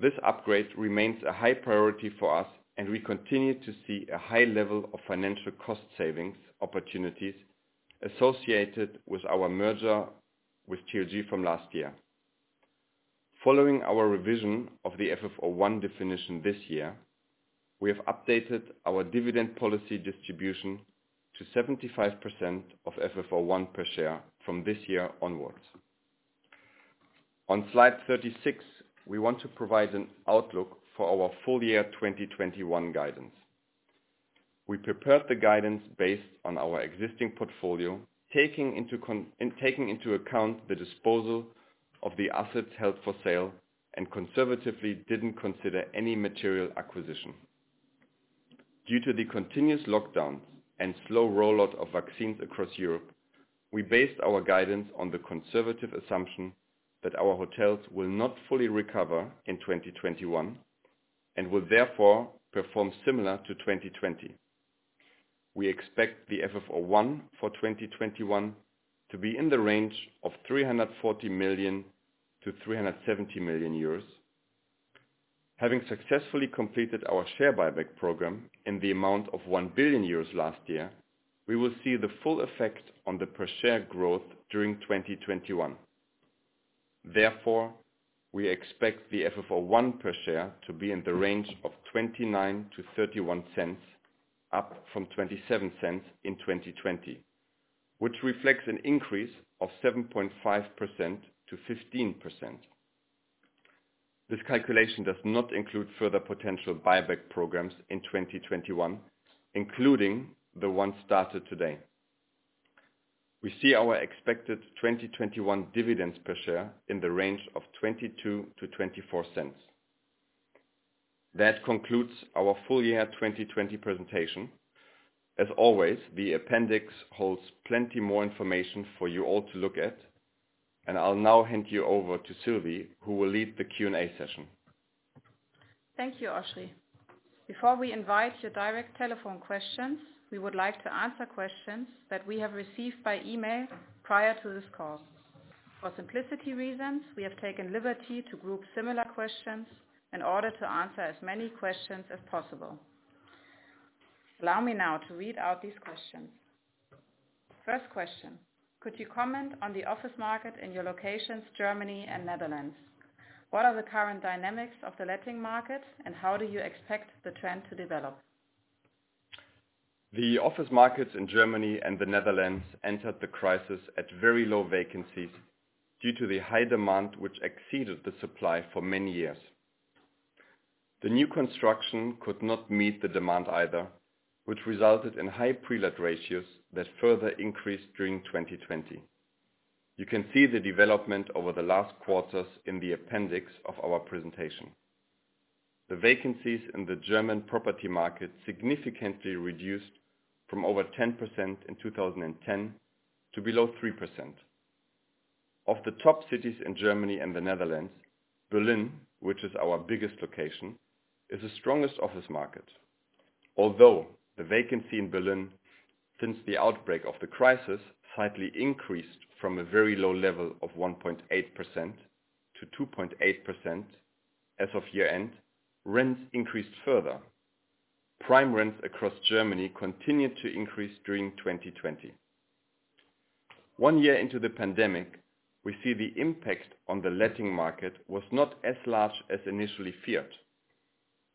This upgrade remains a high priority for us, and we continue to see a high level of financial cost savings opportunities associated with our merger with TLG from last year. Following our revision of the FFO1 definition this year, we have updated our dividend policy distribution to 75% of FFO1 per share from this year onwards. On slide 36, we want to provide an outlook for our full year 2021 guidance. We prepared the guidance based on our existing portfolio, taking into account the disposal of the assets held for sale, and conservatively didn't consider any material acquisition. Due to the continuous lockdown and slow rollout of vaccines across Europe, we based our guidance on the conservative assumption that our hotels will not fully recover in 2021, and will therefore perform similar to 2020. We expect the FFO 1 for 2021 to be in the range of 340 million-370 million euros. Having successfully completed our share buyback program in the amount of 1 billion euros last year, we will see the full effect on the per share growth during 2021. Therefore, we expect the FFO 1 per share to be in the range of 0.29-0.31, up from 0.27 in 2020, which reflects an increase of 7.5% to 15%. This calculation does not include further potential buyback programs in 2021, including the one started today. We see our expected 2021 dividends per share in the range of 0.22-0.24. That concludes our full year 2020 presentation. As always, the appendix holds plenty more information for you all to look at, and I'll now hand you over to Sylvie, who will lead the Q&A session. Thank you, Oschrie. Before we invite your direct telephone questions, we would like to answer questions that we have received by email prior to this call. For simplicity reasons, we have taken liberty to group similar questions in order to answer as many questions as possible. Allow me now to read out these questions. First question: Could you comment on the office market in your locations, Germany and Netherlands? What are the current dynamics of the letting market, and how do you expect the trend to develop? The office markets in Germany and the Netherlands entered the crisis at very low vacancies due to the high demand, which exceeded the supply for many years. The new construction could not meet the demand either, which resulted in high pre-let ratios that further increased during 2020. You can see the development over the last quarters in the appendix of our presentation. The vacancies in the German property market significantly reduced from over 10% in 2010 to below 3%. Of the top cities in Germany and the Netherlands, Berlin, which is our biggest location, is the strongest office market. Although the vacancy in Berlin since the outbreak of the crisis slightly increased from a very low level of 1.8% to 2.8% as of year-end, rents increased further. Prime rents across Germany continued to increase during 2020. One year into the pandemic, we see the impact on the letting market was not as large as initially feared.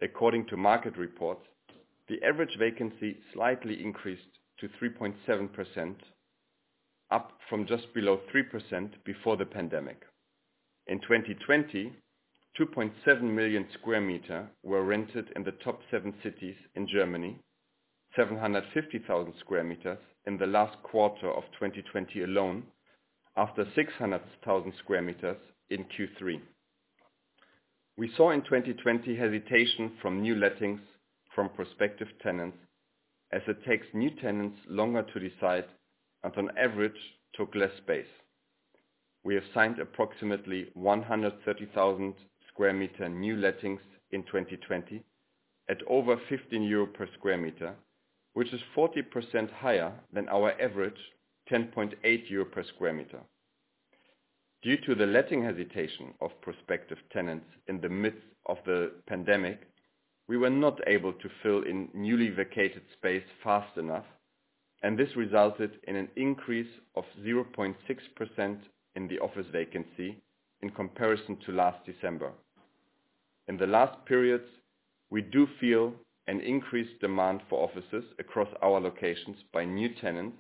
According to market reports, the average vacancy slightly increased to 3.7%, up from just below 3% before the pandemic. In 2020, 2.7 million square meter were rented in the top seven cities in Germany, 750,000 square meters in the last quarter of 2020 alone, after 600,000 square meters in Q3. We saw in 2020, hesitation from new lettings from prospective tenants, as it takes new tenants longer to decide and on average, took less space. We have signed approximately 130,000 square meter new lettings in 2020, at over 15 euro per square meter, which is 40% higher than our average 10.8 euro per square meter. Due to the letting hesitation of prospective tenants in the midst of the pandemic, we were not able to fill in newly vacated space fast enough, and this resulted in an increase of 0.6% in the office vacancy in comparison to last December. In the last periods, we do feel an increased demand for offices across our locations by new tenants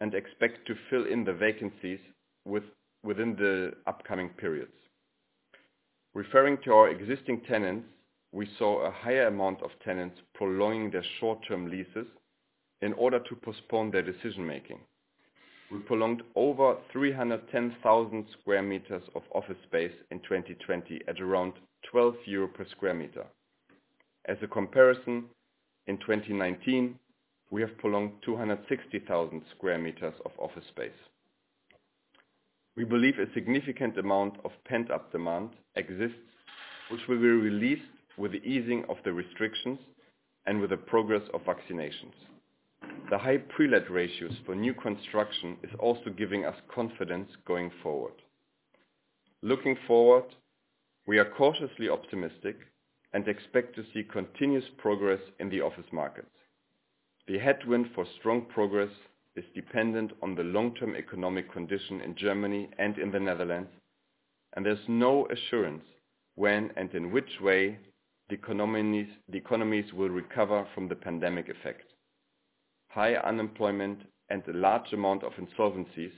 and expect to fill in the vacancies within the upcoming periods. Referring to our existing tenants, we saw a higher amount of tenants prolonging their short-term leases in order to postpone their decision making. We prolonged over 310,000 square meters of office space in 2020 at around 12 euro per square meter. As a comparison, in 2019, we have prolonged 260,000 square meters of office space. We believe a significant amount of pent-up demand exists, which will be released with the easing of the restrictions and with the progress of vaccinations. The high pre-let ratios for new construction is also giving us confidence going forward. Looking forward, we are cautiously optimistic and expect to see continuous progress in the office market. The headwind for strong progress is dependent on the long-term economic condition in Germany and in the Netherlands, and there's no assurance when and in which way the economies will recover from the pandemic effect. High unemployment and a large amount of insolvencies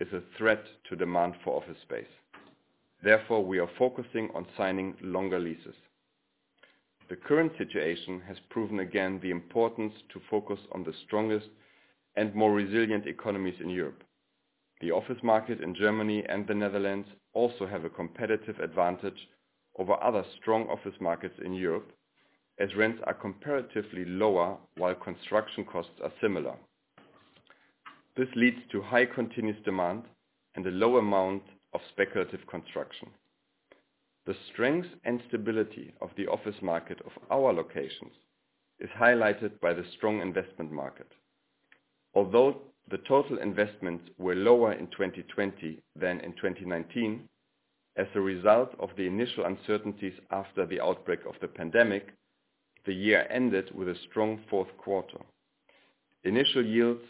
is a threat to demand for office space. Therefore, we are focusing on signing longer leases. The current situation has proven, again, the importance to focus on the strongest and more resilient economies in Europe. The office market in Germany and the Netherlands also have a competitive advantage over other strong office markets in Europe, as rents are comparatively lower, while construction costs are similar. This leads to high, continuous demand and a low amount of speculative construction. The strength and stability of the office market of our locations is highlighted by the strong investment market. Although the total investments were lower in 2020 than in 2019, as a result of the initial uncertainties after the outbreak of the pandemic, the year ended with a strong fourth quarter. Initial yields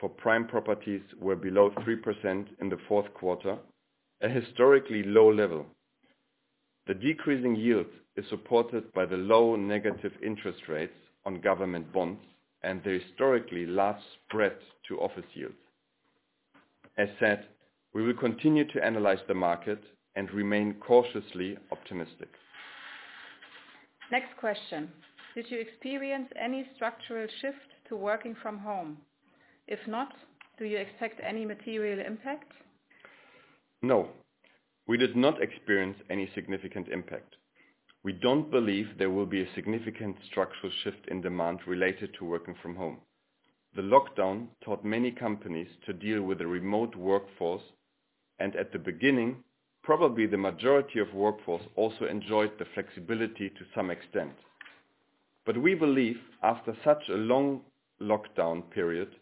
for prime properties were below 3% in the fourth quarter, a historically low level. The decreasing yield is supported by the low negative interest rates on government bonds and the historically large spread to office yields. As said, we will continue to analyze the market and remain cautiously optimistic.... Next question: Did you experience any structural shift to working from home? If not, do you expect any material impact? No, we did not experience any significant impact. We don't believe there will be a significant structural shift in demand related to working from home. The lockdown taught many companies to deal with a remote workforce, and at the beginning, probably the majority of workforce also enjoyed the flexibility to some extent. But we believe after such a long lockdown period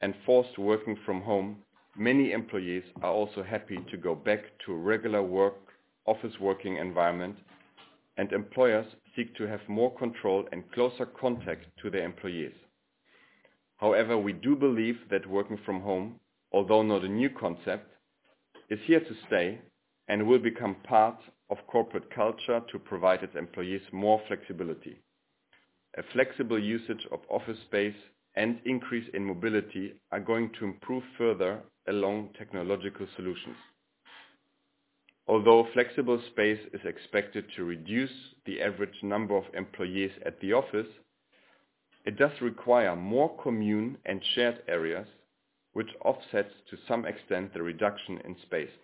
and forced working from home, many employees are also happy to go back to regular work, office working environment, and employers seek to have more control and closer contact to their employees. However, we do believe that working from home, although not a new concept, is here to stay and will become part of corporate culture to provide its employees more flexibility. A flexible usage of office space and increase in mobility are going to improve further along technological solutions. Although flexible space is expected to reduce the average number of employees at the office, it does require more communal and shared areas, which offsets, to some extent, the reduction in space.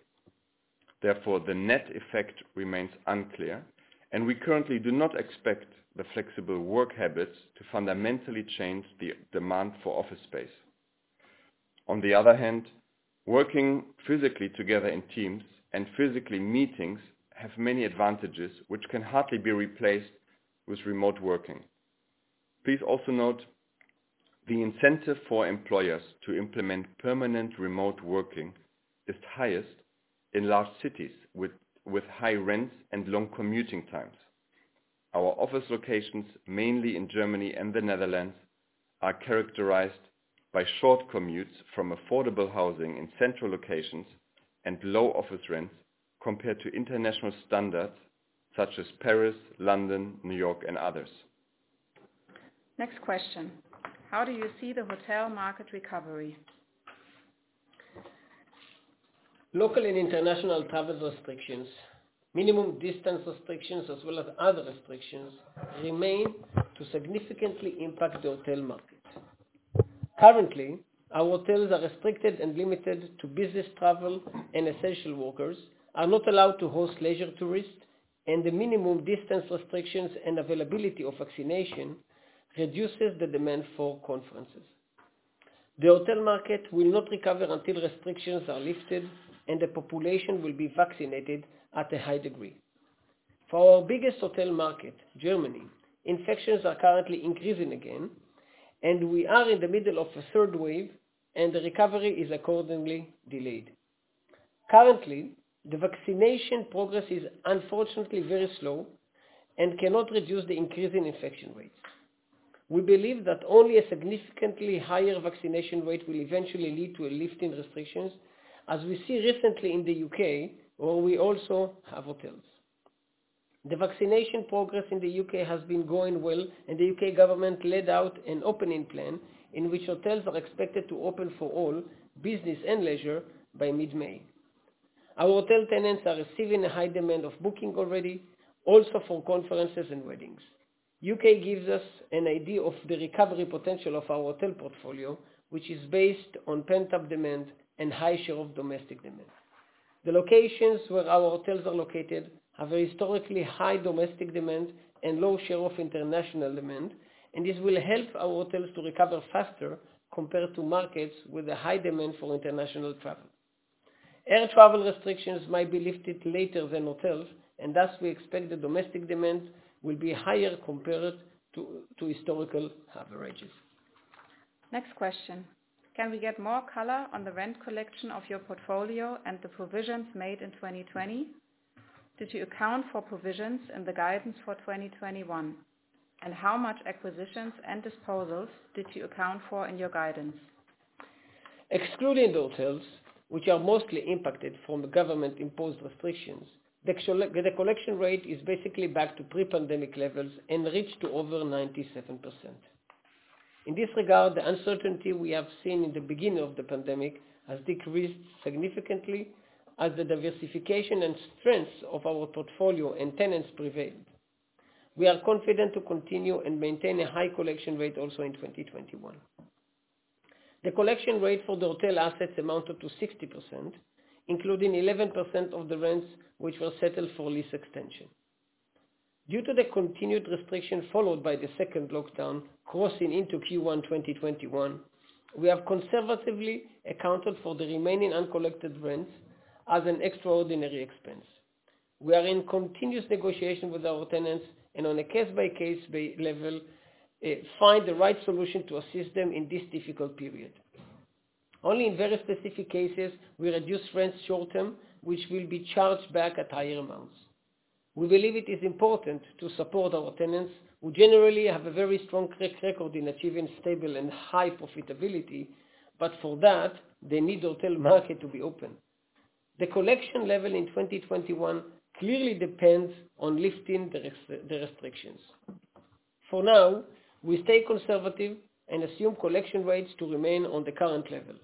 Therefore, the net effect remains unclear, and we currently do not expect the flexible work habits to fundamentally change the demand for office space. On the other hand, working physically together in teams and physical meetings have many advantages, which can hardly be replaced with remote working. Please also note the incentive for employers to implement permanent remote working is highest in large cities with high rents and long commuting times. Our office locations, mainly in Germany and the Netherlands, are characterized by short commutes from affordable housing in central locations and low office rents compared to international standards such as Paris, London, New York, and others. Next question: How do you see the hotel market recovery? Local and international travel restrictions, minimum distance restrictions, as well as other restrictions, remain to significantly impact the hotel market. Currently, our hotels are restricted and limited to business travel, and essential workers are not allowed to host leisure tourists, and the minimum distance restrictions and availability of vaccination reduces the demand for conferences. The hotel market will not recover until restrictions are lifted and the population will be vaccinated at a high degree. For our biggest hotel market, Germany, infections are currently increasing again, and we are in the middle of a third wave, and the recovery is accordingly delayed. Currently, the vaccination progress is unfortunately very slow and cannot reduce the increasing infection rates. We believe that only a significantly higher vaccination rate will eventually lead to a lift in restrictions, as we see recently in the UK, where we also have hotels. The vaccination progress in the UK has been going well, and the UK government laid out an opening plan in which hotels are expected to open for all, business and leisure, by mid-May. Our hotel tenants are receiving a high demand of booking already, also for conferences and weddings. UK gives us an idea of the recovery potential of our hotel portfolio, which is based on pent-up demand and high share of domestic demand. The locations where our hotels are located have a historically high domestic demand and low share of international demand, and this will help our hotels to recover faster compared to markets with a high demand for international travel. Air travel restrictions might be lifted later than hotels, and thus we expect the domestic demand will be higher compared to historical averages. Next question: Can we get more color on the rent collection of your portfolio and the provisions made in 2020? Did you account for provisions in the guidance for 2021, and how much acquisitions and disposals did you account for in your guidance? Excluding the hotels, which are mostly impacted from the government-imposed restrictions, the collection rate is basically back to pre-pandemic levels and reached to over 97%. In this regard, the uncertainty we have seen in the beginning of the pandemic has decreased significantly as the diversification and strengths of our portfolio and tenants prevailed. We are confident to continue and maintain a high collection rate also in 2021. The collection rate for the hotel assets amounted to 60%, including 11% of the rents, which were settled for lease extension. Due to the continued restriction, followed by the second lockdown crossing into Q1 2021, we have conservatively accounted for the remaining uncollected rents as an extraordinary expense. We are in continuous negotiation with our tenants, and on a case-by-case basis, find the right solution to assist them in this difficult period. Only in very specific cases, we reduce rents short-term, which will be charged back at higher amounts. We believe it is important to support our tenants, who generally have a very strong track record in achieving stable and high profitability, but for that, they need the hotel market to be open. The collection level in 2021 clearly depends on lifting the restrictions. For now, we stay conservative and assume collection rates to remain on the current level.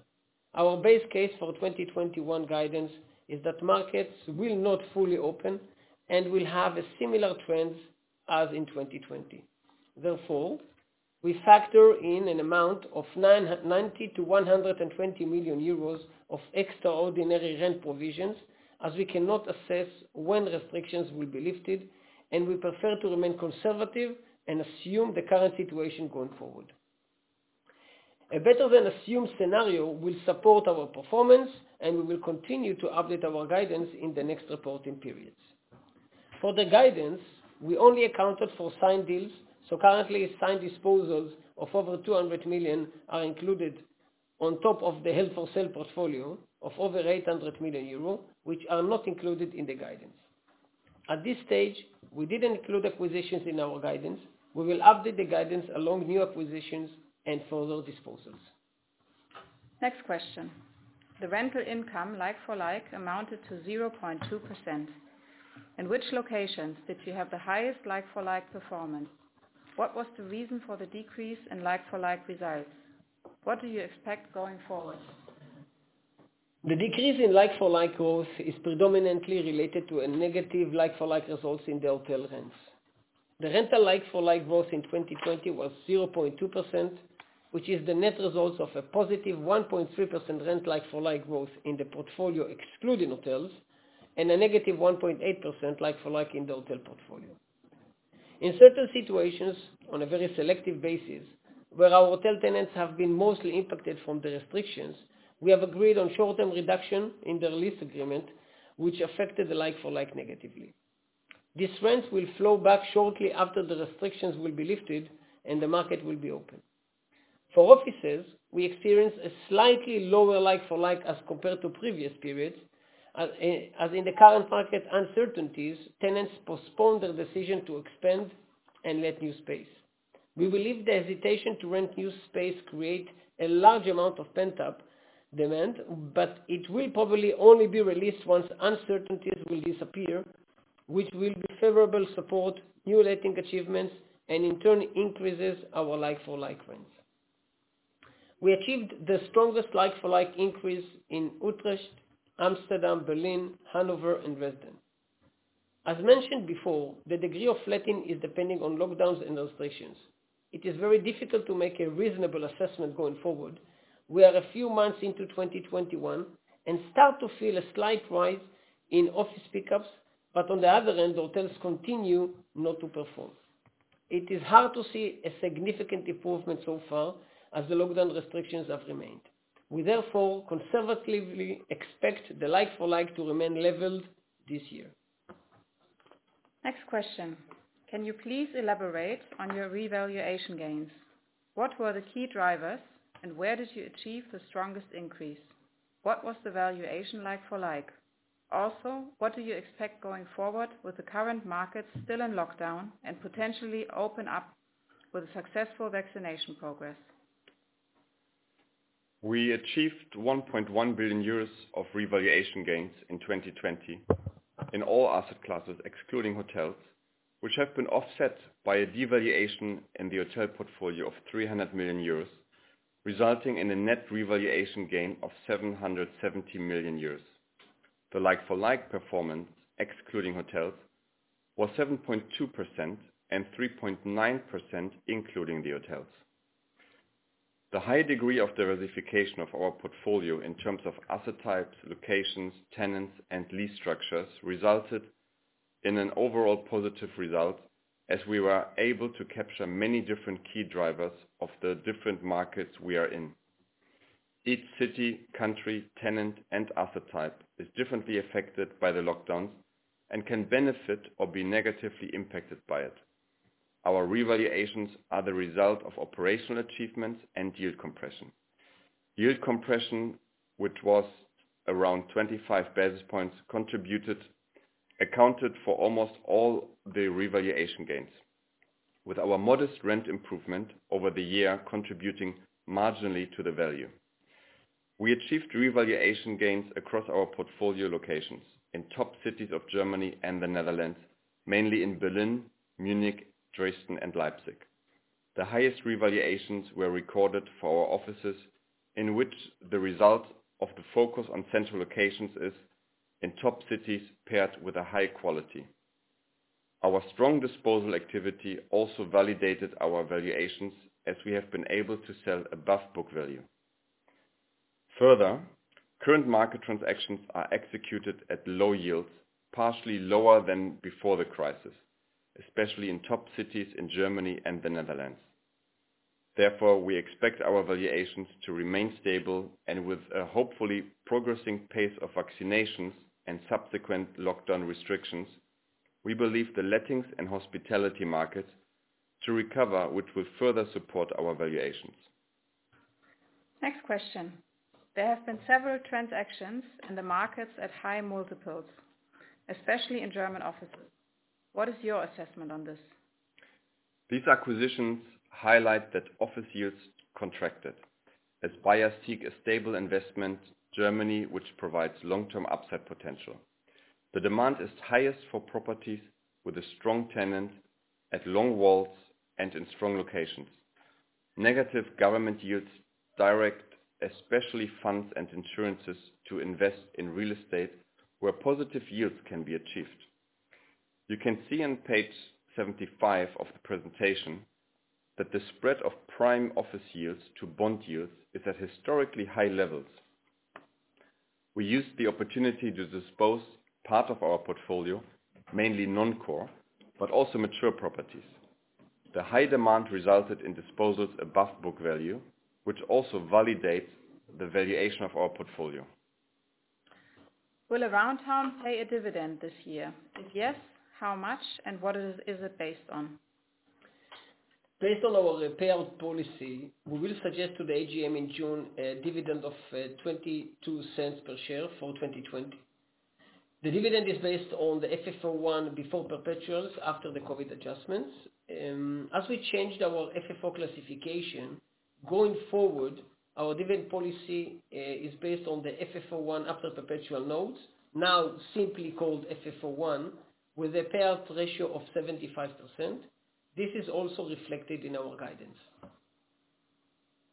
Our base case for 2021 guidance is that markets will not fully open, and will have a similar trends as in 2020. Therefore, we factor in an amount of 90-120 million euros of extraordinary rent provisions, as we cannot assess when restrictions will be lifted, and we prefer to remain conservative and assume the current situation going forward. A better than assumed scenario will support our performance, and we will continue to update our guidance in the next reporting periods. For the guidance, we only accounted for signed deals, so currently signed disposals of over 200 million are included on top of the held-for-sale portfolio of over 800 million euro, which are not included in the guidance. At this stage, we didn't include acquisitions in our guidance. We will update the guidance along new acquisitions and further disposals. Next question: the rental income, like-for-like, amounted to 0.2%. In which locations did you have the highest like-for-like performance? What was the reason for the decrease in like-for-like results? What do you expect going forward? The decrease in like-for-like growth is predominantly related to a negative like-for-like results in the hotel rents. The rental like-for-like growth in 2020 was 0.2%, which is the net results of a positive 1.3% rent like-for-like growth in the portfolio, excluding hotels, and a negative 1.8% like-for-like in the hotel portfolio. In certain situations, on a very selective basis, where our hotel tenants have been mostly impacted from the restrictions, we have agreed on short-term reduction in the lease agreement, which affected the like-for-like negatively. These rents will flow back shortly after the restrictions will be lifted and the market will be open. For offices, we experienced a slightly lower like-for-like as compared to previous periods, as in the current market uncertainties, tenants postponed their decision to expand and let new space. We believe the hesitation to rent new space create a large amount of pent-up demand, but it will probably only be released once uncertainties will disappear, which will favorably support new letting achievements, and in turn, increases our like-for-like rents. We achieved the strongest like-for-like increase in Utrecht, Amsterdam, Berlin, Hanover, and Dresden. As mentioned before, the degree of letting is depending on lockdowns and restrictions. It is very difficult to make a reasonable assessment going forward. We are a few months into 2021, and start to feel a slight rise in office pick-ups, but on the other hand, the hotels continue not to perform. It is hard to see a significant improvement so far as the lockdown restrictions have remained. We therefore conservatively expect the like-for-like to remain leveled this year. Next question: Can you please elaborate on your revaluation gains? What were the key drivers, and where did you achieve the strongest increase? What was the valuation like for like? Also, what do you expect going forward with the current market still in lockdown and potentially open up with a successful vaccination progress? We achieved 1.1 billion euros of revaluation gains in 2020 in all asset classes, excluding hotels, which have been offset by a devaluation in the hotel portfolio of 300 million euros, resulting in a net revaluation gain of 770 million euros. The like-for-like performance, excluding hotels, was 7.2%, and 3.9%, including the hotels. The high degree of diversification of our portfolio in terms of asset types, locations, tenants, and lease structures, resulted in an overall positive result, as we were able to capture many different key drivers of the different markets we are in. Each city, country, tenant, and asset type is differently affected by the lockdowns, and can benefit or be negatively impacted by it. Our revaluations are the result of operational achievements and yield compression. Yield compression, which was around 25 basis points, contributed, accounted for almost all the revaluation gains, with our modest rent improvement over the year contributing marginally to the value. We achieved revaluation gains across our portfolio locations in top cities of Germany and the Netherlands, mainly in Berlin, Munich, Dresden, and Leipzig. The highest revaluations were recorded for our offices, in which the result of the focus on central locations is in top cities paired with a high quality. Our strong disposal activity also validated our valuations, as we have been able to sell above book value. Further, current market transactions are executed at low yields, partially lower than before the crisis, especially in top cities in Germany and the Netherlands. Therefore, we expect our valuations to remain stable, and with a hopefully progressing pace of vaccinations and subsequent lockdown restrictions, we believe the lettings and hospitality markets to recover, which will further support our valuations. Next question: There have been several transactions in the markets at high multiples, especially in German offices. What is your assessment on this? These acquisitions highlight that office yields contracted. As buyers seek a stable investment, Germany, which provides long-term upside potential. The demand is highest for properties with a strong tenant, at long WALEs, and in strong locations. Negative government yields direct, especially funds and insurances, to invest in real estate where positive yields can be achieved. You can see on page 75 of the presentation, that the spread of prime office yields to bond yields is at historically high levels. We used the opportunity to dispose part of our portfolio, mainly non-core, but also mature properties. The high demand resulted in disposals above book value, which also validates the valuation of our portfolio. Will Aroundtown pay a dividend this year? If yes, how much, and what is it based on? Based on our payout policy, we will suggest to the AGM in June, a dividend of 0.22 per share for 2020. The dividend is based on the FFO 1 before perpetuals, after the COVID adjustments. As we changed our FFO classification, going forward, our dividend policy is based on the FFO 1 after perpetual notes, now simply called FFO 1, with a payout ratio of 75%. This is also reflected in our guidance.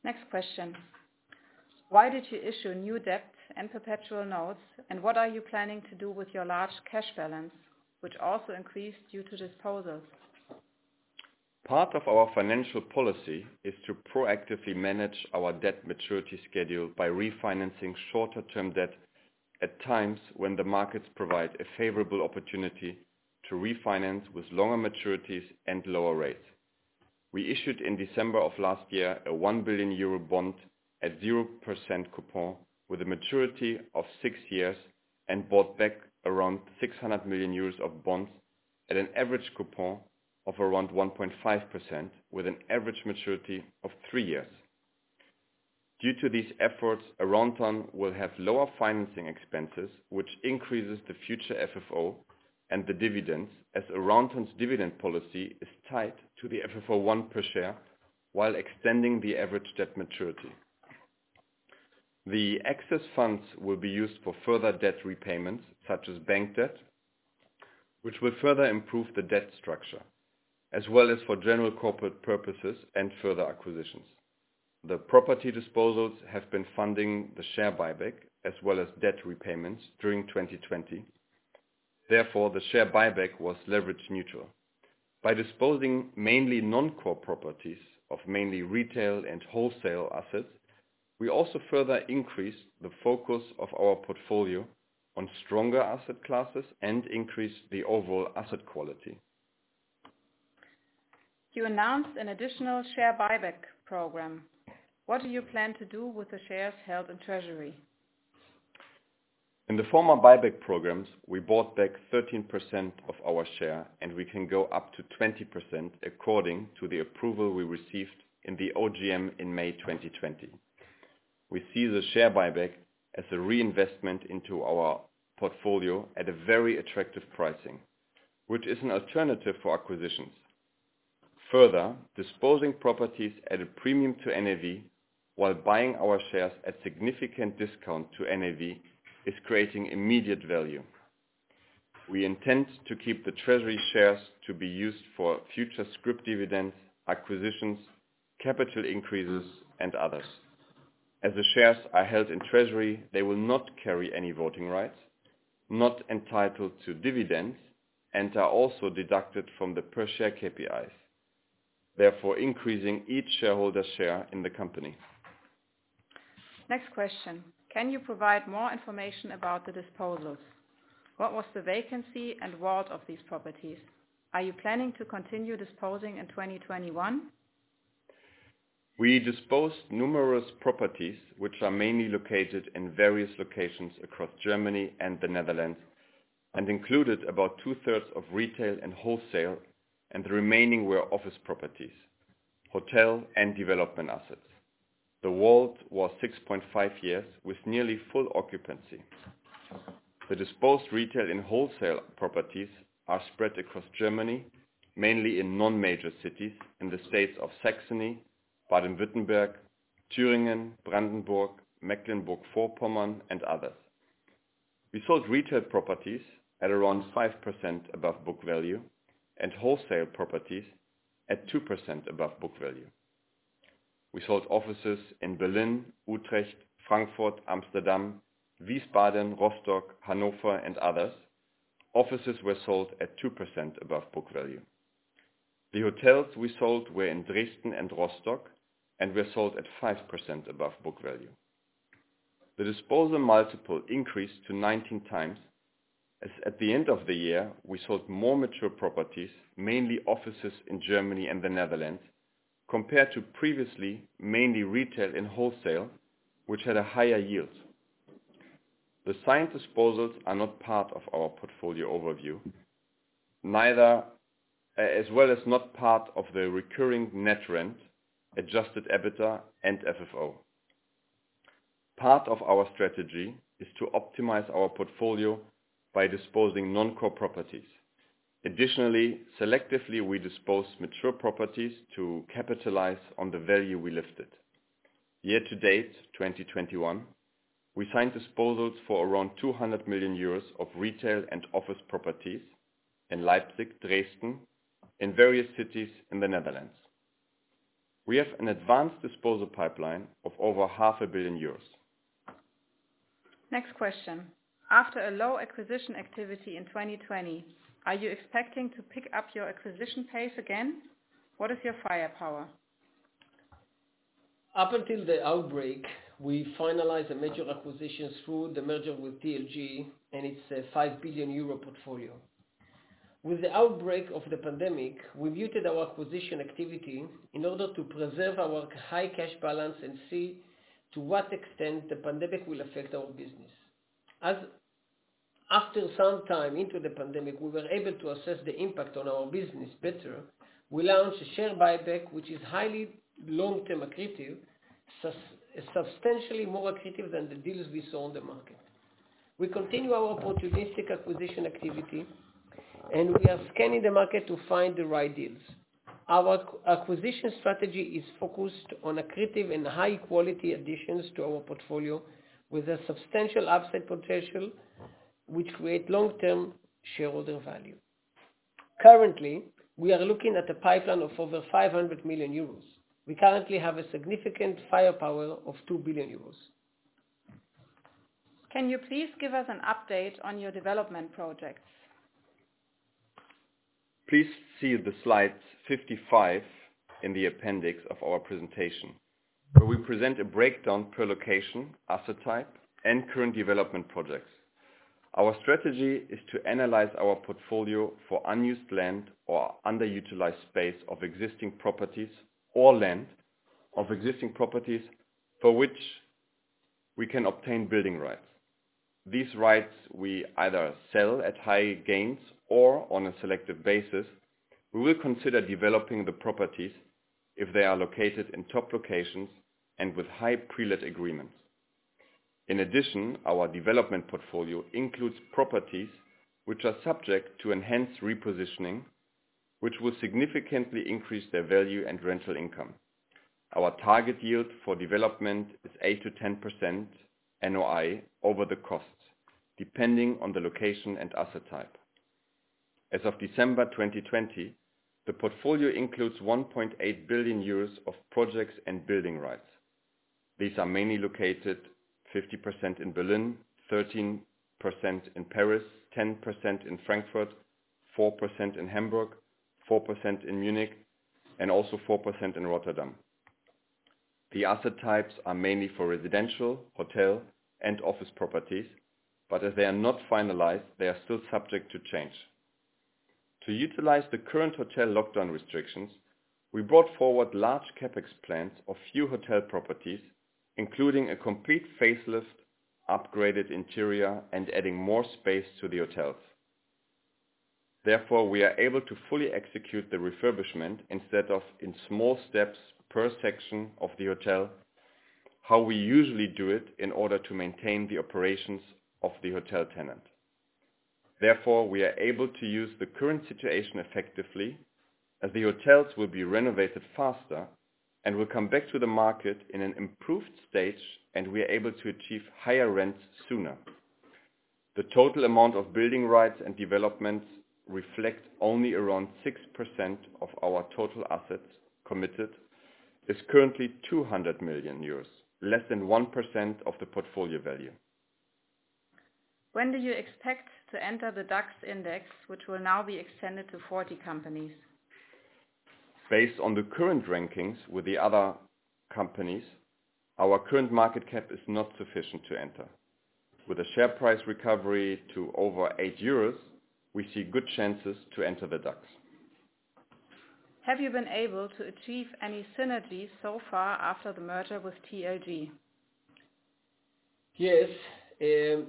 Next question: Why did you issue new debt and perpetual notes, and what are you planning to do with your large cash balance, which also increased due to disposals? Part of our financial policy is to proactively manage our debt maturity schedule by refinancing shorter term debt at times when the markets provide a favorable opportunity to refinance with longer maturities and lower rates. We issued in December of last year, a 1 billion euro bond at 0% coupon, with a maturity of 6 years, and bought back around 600 million euros of bonds at an average coupon of around 1.5%, with an average maturity of 3 years. Due to these efforts, Aroundtown will have lower financing expenses, which increases the future FFO and the dividends, as Aroundtown's dividend policy is tied to the FFO one per share, while extending the average debt maturity. The excess funds will be used for further debt repayments, such as bank debt, which will further improve the debt structure, as well as for general corporate purposes and further acquisitions. The property disposals have been funding the share buyback, as well as debt repayments during 2020. Therefore, the share buyback was leverage neutral. By disposing mainly non-core properties of mainly retail and wholesale assets, we also further increase the focus of our portfolio on stronger asset classes and increase the overall asset quality. You announced an additional share buyback program. What do you plan to do with the shares held in treasury? In the former buyback programs, we bought back 13% of our share, and we can go up to 20% according to the approval we received in the OGM in May 2020. We see the share buyback as a reinvestment into our portfolio at a very attractive pricing, which is an alternative for acquisitions. Further, disposing properties at a premium to NAV while buying our shares at significant discount to NAV, is creating immediate value. We intend to keep the treasury shares to be used for future scrip dividends, acquisitions, capital increases, and others. As the shares are held in treasury, they will not carry any voting rights, not entitled to dividends, and are also deducted from the per share KPIs, therefore, increasing each shareholder's share in the company. Next question: Can you provide more information about the disposals? What was the vacancy and WALE of these properties? Are you planning to continue disposing in 2021? We disposed numerous properties, which are mainly located in various locations across Germany and the Netherlands, and included about two-thirds of retail and wholesale, and the remaining were office properties, hotel and development assets. The WALE was 6.5 years, with nearly full occupancy. The disposed retail and wholesale properties are spread across Germany, mainly in non-major cities, in the states of Saxony, Baden-Württemberg, Thuringia, Brandenburg, Mecklenburg-Vorpommern, and others. We sold retail properties at around 5% above book value, and wholesale properties at 2% above book value. We sold offices in Berlin, Utrecht, Frankfurt, Amsterdam, Wiesbaden, Rostock, Hanover, and others. Offices were sold at 2% above book value. The hotels we sold were in Dresden and Rostock, and were sold at 5% above book value. The disposal multiple increased to 19x, as at the end of the year, we sold more mature properties, mainly offices in Germany and the Netherlands, compared to previously, mainly retail and wholesale, which had a higher yield. The signed disposals are not part of our portfolio overview, neither, as well as not part of the recurring net rent, adjusted EBITDA and FFO. Part of our strategy is to optimize our portfolio by disposing non-core properties. Additionally, selectively, we dispose mature properties to capitalize on the value we lifted.... Year to date, 2021, we signed disposals for around 200 million euros of retail and office properties in Leipzig, Dresden, and various cities in the Netherlands. We have an advanced disposal pipeline of over 500 million euros. Next question. After a low acquisition activity in 2020, are you expecting to pick up your acquisition pace again? What is your firepower? Up until the outbreak, we finalized the major acquisitions through the merger with TLG, and it's a 5 billion euro portfolio. With the outbreak of the pandemic, we muted our acquisition activity in order to preserve our high cash balance and see to what extent the pandemic will affect our business. As after some time into the pandemic, we were able to assess the impact on our business better. We launched a share buyback, which is highly long-term accretive, substantially more accretive than the deals we saw on the market. We continue our opportunistic acquisition activity, and we are scanning the market to find the right deals. Our acquisition strategy is focused on accretive and high quality additions to our portfolio, with a substantial upside potential, which create long-term shareholder value. Currently, we are looking at a pipeline of over 500 million euros. We currently have a significant firepower of 2 billion euros. Can you please give us an update on your development projects? Please see the slide 55 in the appendix of our presentation, where we present a breakdown per location, asset type, and current development projects. Our strategy is to analyze our portfolio for unused land or underutilized space of existing properties, or land of existing properties, for which we can obtain building rights. These rights we either sell at high gains or, on a selective basis, we will consider developing the properties if they are located in top locations and with high pre-let agreements. In addition, our development portfolio includes properties which are subject to enhanced repositioning, which will significantly increase their value and rental income. Our target yield for development is 8%-10% NOI over the costs, depending on the location and asset type. As of December 2020, the portfolio includes 1.8 billion euros of projects and building rights. These are mainly located 50% in Berlin, 13% in Paris, 10% in Frankfurt, 4% in Hamburg, 4% in Munich, and also 4% in Rotterdam. The asset types are mainly for residential, hotel, and office properties, but as they are not finalized, they are still subject to change. To utilize the current hotel lockdown restrictions, we brought forward large CapEx plans of few hotel properties, including a complete facelift, upgraded interior, and adding more space to the hotels. Therefore, we are able to fully execute the refurbishment instead of in small steps per section of the hotel, how we usually do it in order to maintain the operations of the hotel tenant. Therefore, we are able to use the current situation effectively, as the hotels will be renovated faster and will come back to the market in an improved stage, and we are able to achieve higher rents sooner. The total amount of building rights and developments reflect only around 6% of our total assets committed, is currently 200 million euros, less than 1% of the portfolio value. When do you expect to enter the DAX index, which will now be extended to 40 companies? Based on the current rankings with the other companies, our current market cap is not sufficient to enter. With a share price recovery to over 8 euros, we see good chances to enter the DAX. Have you been able to achieve any synergies so far after the merger with TLG? Yes,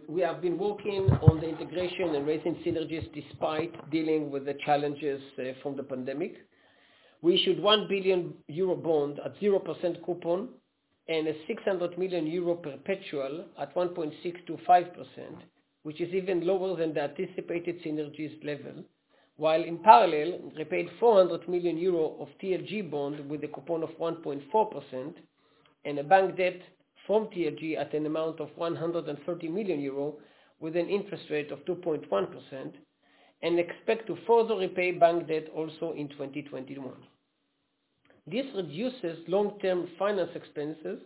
we have been working on the integration and raising synergies despite dealing with the challenges from the pandemic. We issued 1 billion euro bond at 0% coupon and a 600 million euro perpetual at 1.625%, which is even lower than the anticipated synergies level. While in parallel, we paid 400 million euro of TLG bond with a coupon of 1.4%, and a bank debt from TLG at an amount of 130 million euro, with an interest rate of 2.1%, and expect to further repay bank debt also in 2021. This reduces long-term finance expenses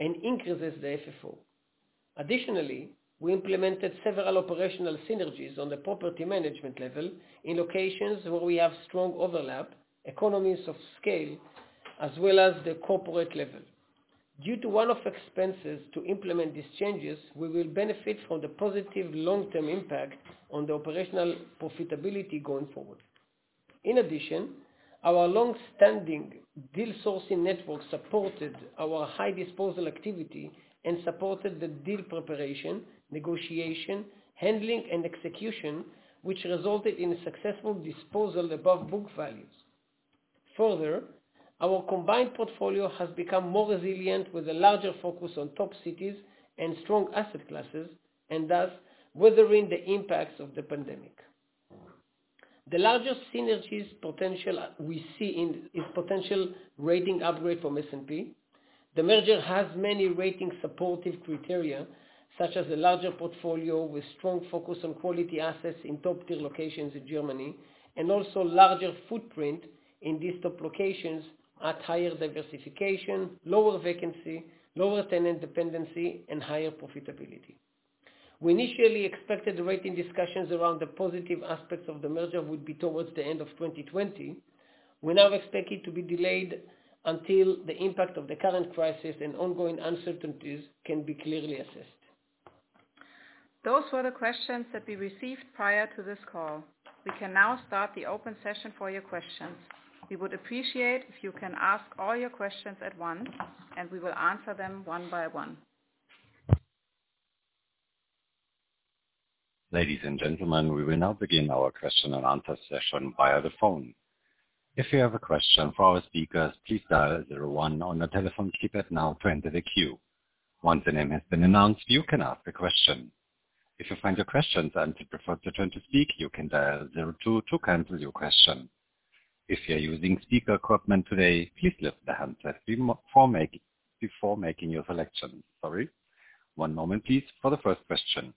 and increases the FFO. Additionally, we implemented several operational synergies on the property management level in locations where we have strong overlap, economies of scale, as well as the corporate level. Due to one-off expenses to implement these changes, we will benefit from the positive long-term impact on the operational profitability going forward. In addition, our long-standing deal sourcing network supported our high disposal activity and supported the deal preparation, negotiation, handling, and execution, which resulted in a successful disposal above book values. Further, our combined portfolio has become more resilient, with a larger focus on top cities and strong asset classes, and thus weathering the impacts of the pandemic. The largest synergies potential we see in is potential rating upgrade from S&P. The merger has many rating supportive criteria, such as a larger portfolio with strong focus on quality assets in top tier locations in Germany, and also larger footprint in these top locations at higher diversification, lower vacancy, lower tenant dependency, and higher profitability. We initially expected the rating discussions around the positive aspects of the merger would be towards the end of 2020. We now expect it to be delayed until the impact of the current crisis and ongoing uncertainties can be clearly assessed. Those were the questions that we received prior to this call. We can now start the open session for your questions. We would appreciate if you can ask all your questions at once, and we will answer them one by one. Ladies and gentlemen, we will now begin our question and answer session via the phone. If you have a question for our speakers, please dial zero one on your telephone keypad now to enter the queue. Once your name has been announced, you can ask a question. If you find your question time to prefer to turn to speak, you can dial zero two to cancel your question. If you're using speaker equipment today, please lift the handset before making your selection. Sorry. One moment, please, for the first question.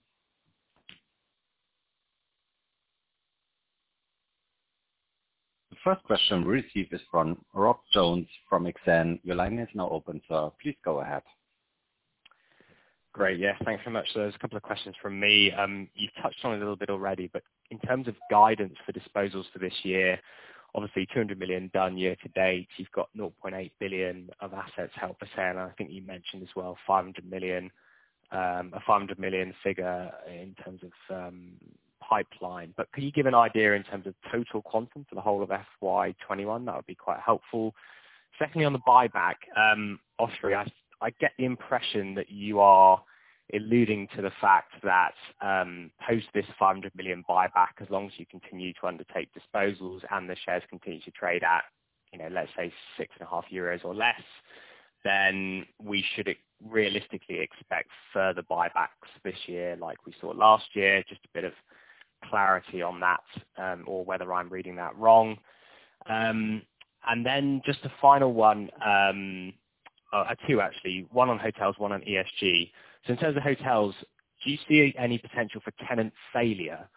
The first question we received is from Rob Jones from Exane. Your line is now open, sir. Please go ahead. Great. Yeah, thanks so much. So there's a couple of questions from me. You've touched on it a little bit already, but in terms of guidance for disposals for this year, obviously 200 million done year to date, you've got 0.8 billion of assets held for sale, and I think you mentioned as well, 500 million, a 500 million figure in terms of pipeline. But could you give an idea in terms of total quantum for the whole of FY 2021? That would be quite helpful. Secondly, on the buyback, Oschrie, I get the impression that you are alluding to the fact that, post this 500 million buyback, as long as you continue to undertake disposals and the shares continue to trade at, you know, let's say 6.5 euros or less, then we should expect realistically further buybacks this year like we saw last year. Just a bit of clarity on that, or whether I'm reading that wrong. And then just a final one, actually, two, one on hotels, one on ESG. So in terms of hotels, do you see any potential for tenant failure,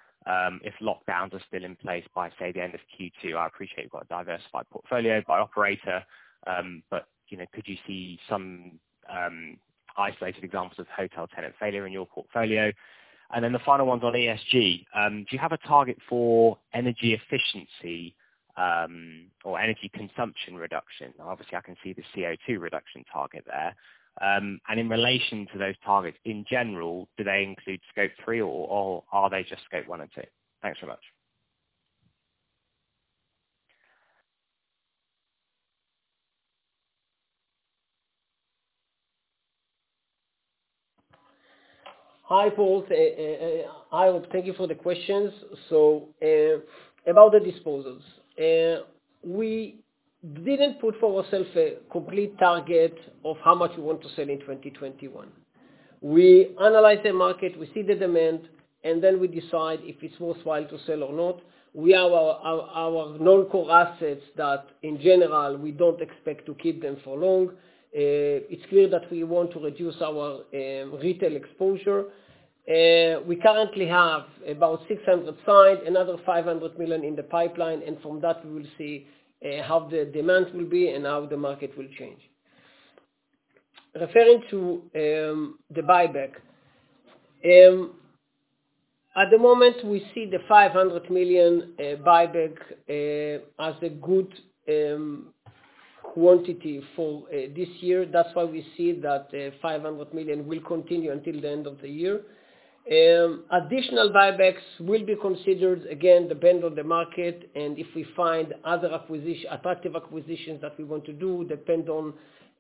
if lockdowns are still in place by, say, the end of Q2? I appreciate you've got a diversified portfolio by operator, but, you know, could you see some, isolated examples of hotel tenant failure in your portfolio? And then the final one's on ESG. Do you have a target for energy efficiency, or energy consumption reduction? Obviously, I can see the CO2 reduction target there. And in relation to those targets, in general, do they include scope three, or, or are they just scope one and two? Thanks so much. Hi, Paul. Hi, thank you for the questions. So, about the disposals, we didn't put for ourselves a complete target of how much we want to sell in 2021. We analyze the market, we see the demand, and then we decide if it's worthwhile to sell or not. We have our non-core assets that, in general, we don't expect to keep them for long. It's clear that we want to reduce our retail exposure. We currently have about 600 million signed, another 500 million in the pipeline, and from that we will see how the demand will be and how the market will change. Referring to the buyback, at the moment, we see the 500 million buyback as a good quantity for this year. That's why we see that 500 million will continue until the end of the year. Additional buybacks will be considered, again, depend on the market, and if we find other attractive acquisitions that we want to do, depend on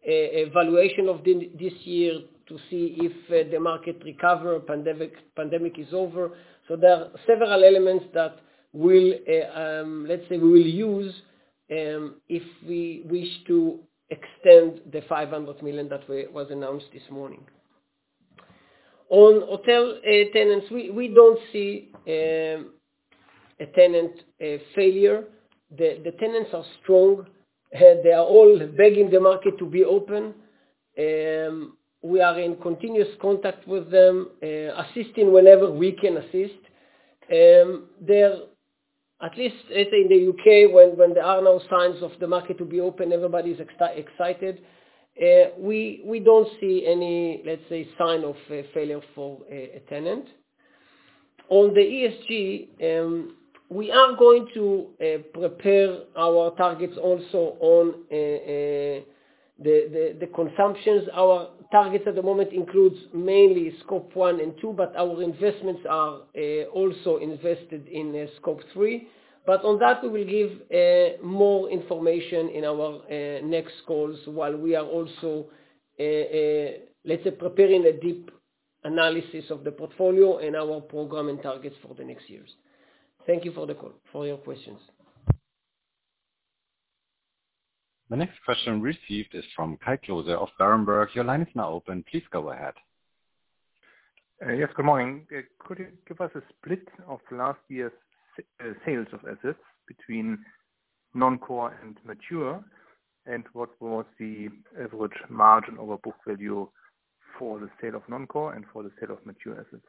a valuation of this year to see if the market recovers, pandemic, pandemic is over. So there are several elements that we'll, let's say, we will use if we wish to extend the 500 million that was announced this morning. On hotel tenants, we don't see a tenant failure. The tenants are strong, and they are all begging the market to be open. We are in continuous contact with them, assisting wherever we can assist. They're, at least, let's say in the UK, when there are no signs of the market to be open, everybody's excited. We don't see any, let's say, sign of failure for a tenant. On the ESG, we are going to prepare our targets also on the consumptions. Our targets at the moment includes mainly Scope one and two, but our investments are also invested in Scope three. But on that, we will give more information in our next calls, while we are also, let's say, preparing a deep analysis of the portfolio and our program and targets for the next years. Thank you for the call—for your questions.... The next question received is from Kai Klose of Berenberg. Your line is now open, please go ahead. Yes, good morning. Could you give us a split of last year's sales of assets between non-core and mature, and what was the average margin over book value for the sale of non-core and for the sale of mature assets?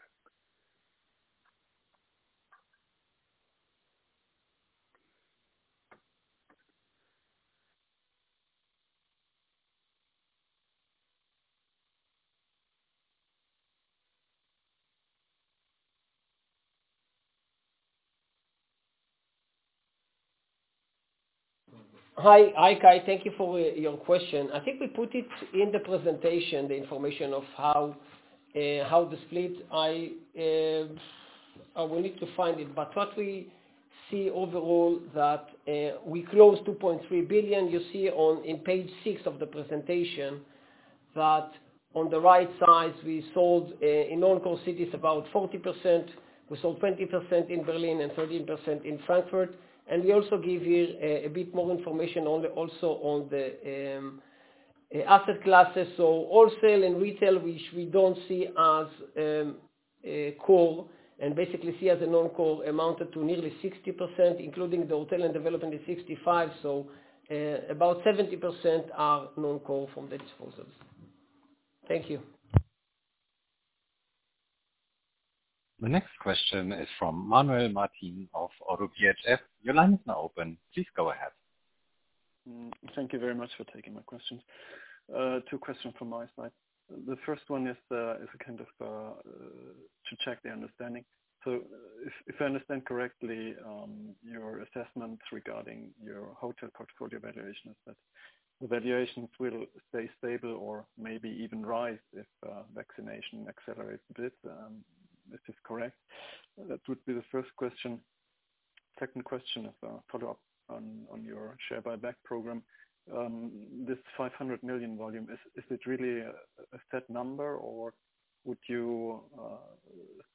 Hi, hi, Kai. Thank you for, your question. I think we put it in the presentation, the information of how, how the split. We need to find it, but what we see overall that, we closed 2.3 billion. You see on, in page six of the presentation, that on the right side we sold, in non-core cities about 40%. We sold 20% in Berlin, and 13% in Frankfurt, and we also give you, a bit more information on the, also on the, asset classes. So wholesale and retail, which we don't see as, core, and basically see as a non-core, amounted to nearly 60%, including the hotel and development is 65%, so, about 70% are non-core from the disposals. Thank you. The next question is from Manuel Martin of Oddo BHF. Your line is now open, please go ahead. Thank you very much for taking my questions. Two questions from my side. The first one is a kind of to check the understanding. So if I understand correctly, your assessment regarding your hotel portfolio valuation is that the valuations will stay stable or maybe even rise if vaccination accelerates a bit, if it's correct? That would be the first question. Second question is a follow-up on your share buyback program. This 500 million volume, is it really a set number, or would you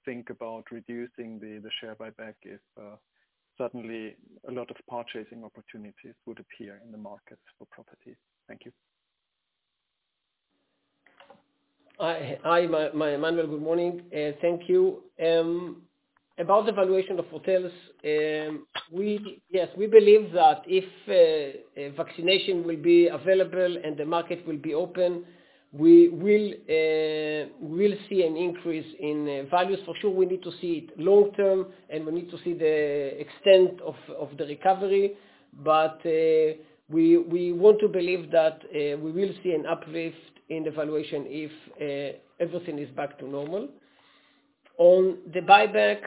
think about reducing the share buyback if suddenly a lot of purchasing opportunities would appear in the market for properties? Thank you. Hi, Manuel. Good morning, thank you. About the valuation of hotels, yes, we believe that if vaccination will be available and the market will be open, we will, we'll see an increase in values. For sure, we need to see it long term, and we need to see the extent of the recovery, but we want to believe that we will see an uplift in the valuation if everything is back to normal. On the buyback,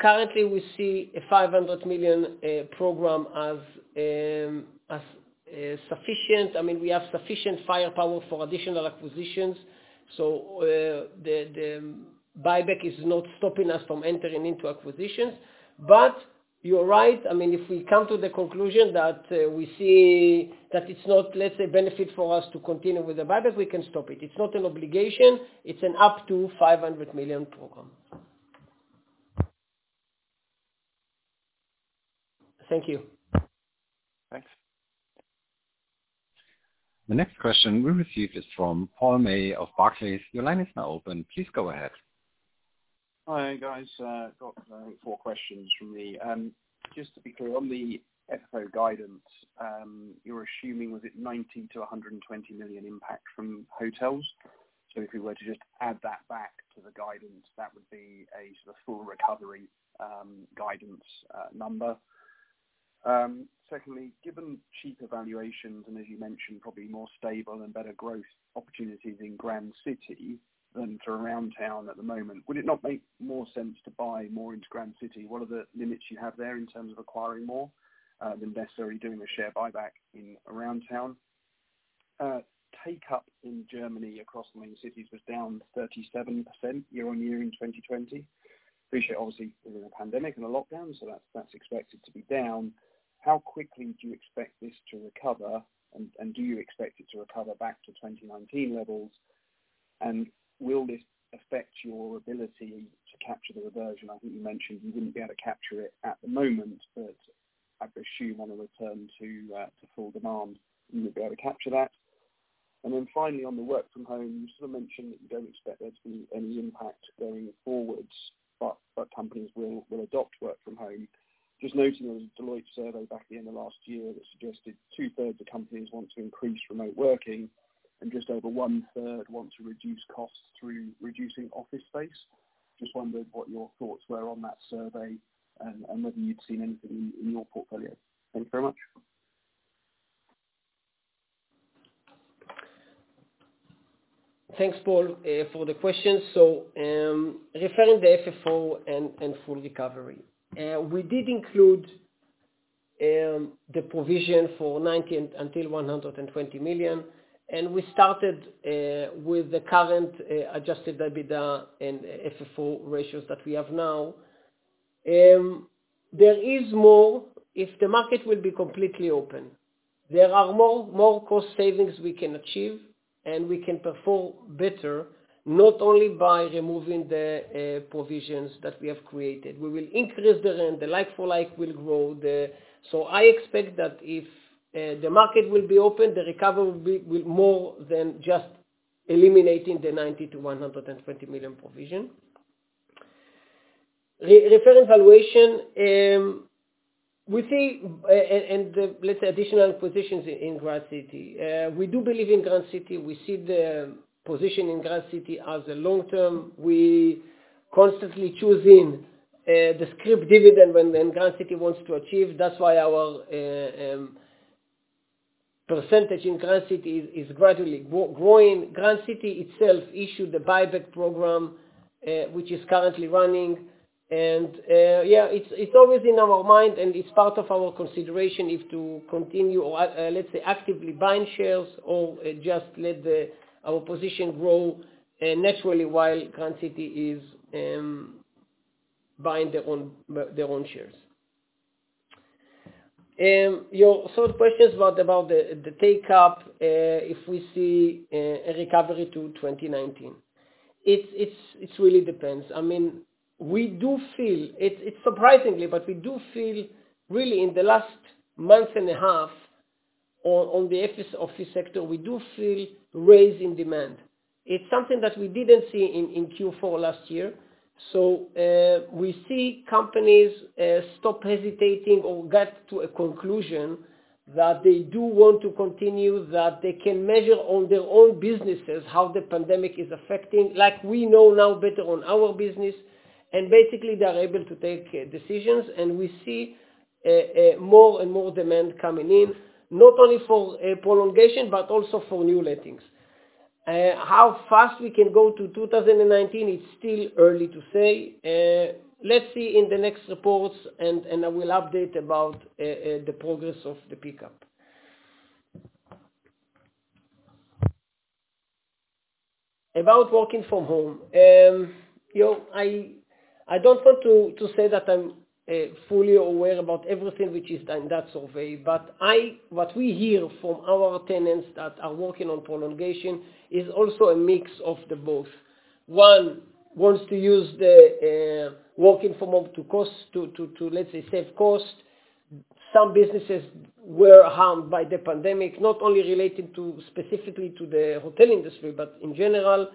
currently we see a 500 million program as sufficient. I mean, we have sufficient firepower for additional acquisitions, so the buyback is not stopping us from entering into acquisitions. You're right, I mean, if we come to the conclusion that we see that it's not, let's say, benefit for us to continue with the buyback, we can stop it. It's not an obligation, it's an up to 500 million program. Thank you. Thanks. The next question we received is from Paul May of Barclays. Your line is now open, please go ahead. Hi, guys, got four questions from me. Just to be clear, on the FFO guidance, you're assuming, was it 90-120 million impact from hotels? So if we were to just add that back to the guidance, that would be a sort of full recovery guidance number. Secondly, given cheaper valuations, and as you mentioned, probably more stable and better growth opportunities in Grand City than through Aroundtown at the moment, would it not make more sense to buy more into Grand City? What are the limits you have there in terms of acquiring more than necessarily doing a share buyback in Aroundtown? Take-up in Germany across the main cities was down 37% year-on-year in 2020. Appreciate obviously there was a pandemic and a lockdown, so that's expected to be down. How quickly do you expect this to recover, and do you expect it to recover back to 2019 levels? Will this affect your ability to capture the reversion? I think you mentioned you wouldn't be able to capture it at the moment, but I'd assume on a return to full demand, you would be able to capture that. Then finally, on the work from home, you sort of mentioned that you don't expect there to be any impact going forward, but companies will adopt work from home. Just noting the Deloitte survey back in the last year that suggested two-thirds of companies want to increase remote working, and just over one-third want to reduce costs through reducing office space. Just wondering what your thoughts were on that survey and whether you'd seen anything in your portfolio. Thank you very much. Thanks, Paul, for the question. So, referring to the FFO and full recovery, we did include the provision for 90-120 million, and we started with the current adjusted EBITDA and FFO ratios that we have now. There is more if the market will be completely open. There are more cost savings we can achieve, and we can perform better, not only by removing the provisions that we have created. We will increase the rent. The like for like will grow, so I expect that if the market will be open, the recovery will be more than just eliminating the 90-120 million provision. Regarding valuation, we see and the, let's say, additional positions in Grand City. We do believe in Grand City. We see the position in Grand City as a long term. We constantly choosing the scrip dividend when Grand City wants to achieve. That's why our percentage in Grand City is gradually growing. Grand City itself issued the buyback program, which is currently running, and yeah, it's always in our mind, and it's part of our consideration if to continue or, let's say, actively buying shares or just let our position grow naturally while Grand City is buying their own shares. Your third question is about the take up if we see a recovery to 2019. It really depends. I mean, we do feel... It's surprisingly, but we do feel really in the last month and a half on the office sector, we do feel a rise in demand. It's something that we didn't see in Q4 last year. So, we see companies stop hesitating or get to a conclusion that they do want to continue, that they can measure on their own businesses, how the pandemic is affecting, like we know now better on our business, and basically they are able to take decisions, and we see more and more demand coming in, not only for prolongation, but also for new lettings. How fast we can go to 2019, it's still early to say. Let's see in the next reports, and I will update about the progress of the pickup. About working from home, you know, I don't want to say that I'm fully aware about everything which is done in that survey, but I... What we hear from our tenants that are working on prolongation is also a mix of the both. One wants to use the working from home to cost, let's say, save cost. Some businesses were harmed by the pandemic, not only related to, specifically to the hotel industry, but in general.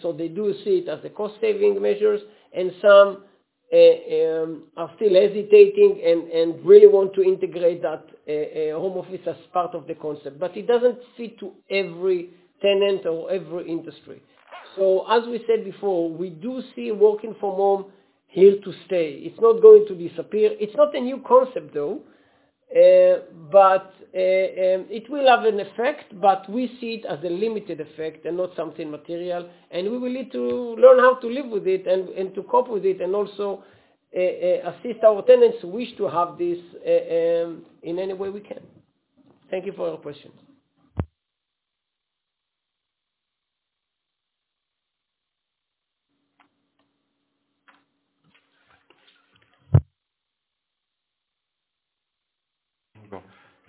So they do see it as a cost saving measures, and some are still hesitating and really want to integrate that home office as part of the concept. But it doesn't fit to every tenant or every industry. So, as we said before, we do see working from home here to stay. It's not going to disappear. It's not a new concept, though, it will have an effect, but we see it as a limited effect and not something material. We will need to learn how to live with it and to cope with it, and also assist our tenants who wish to have this in any way we can. Thank you for your questions.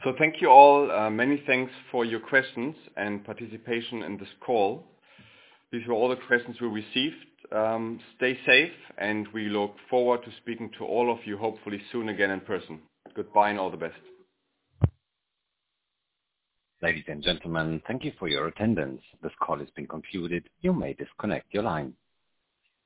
So thank you all. Many thanks for your questions and participation in this call. These were all the questions we received. Stay safe, and we look forward to speaking to all of you, hopefully soon again in person. Goodbye and all the best. Ladies and gentlemen, thank you for your attendance. This call has been concluded. You may disconnect your line.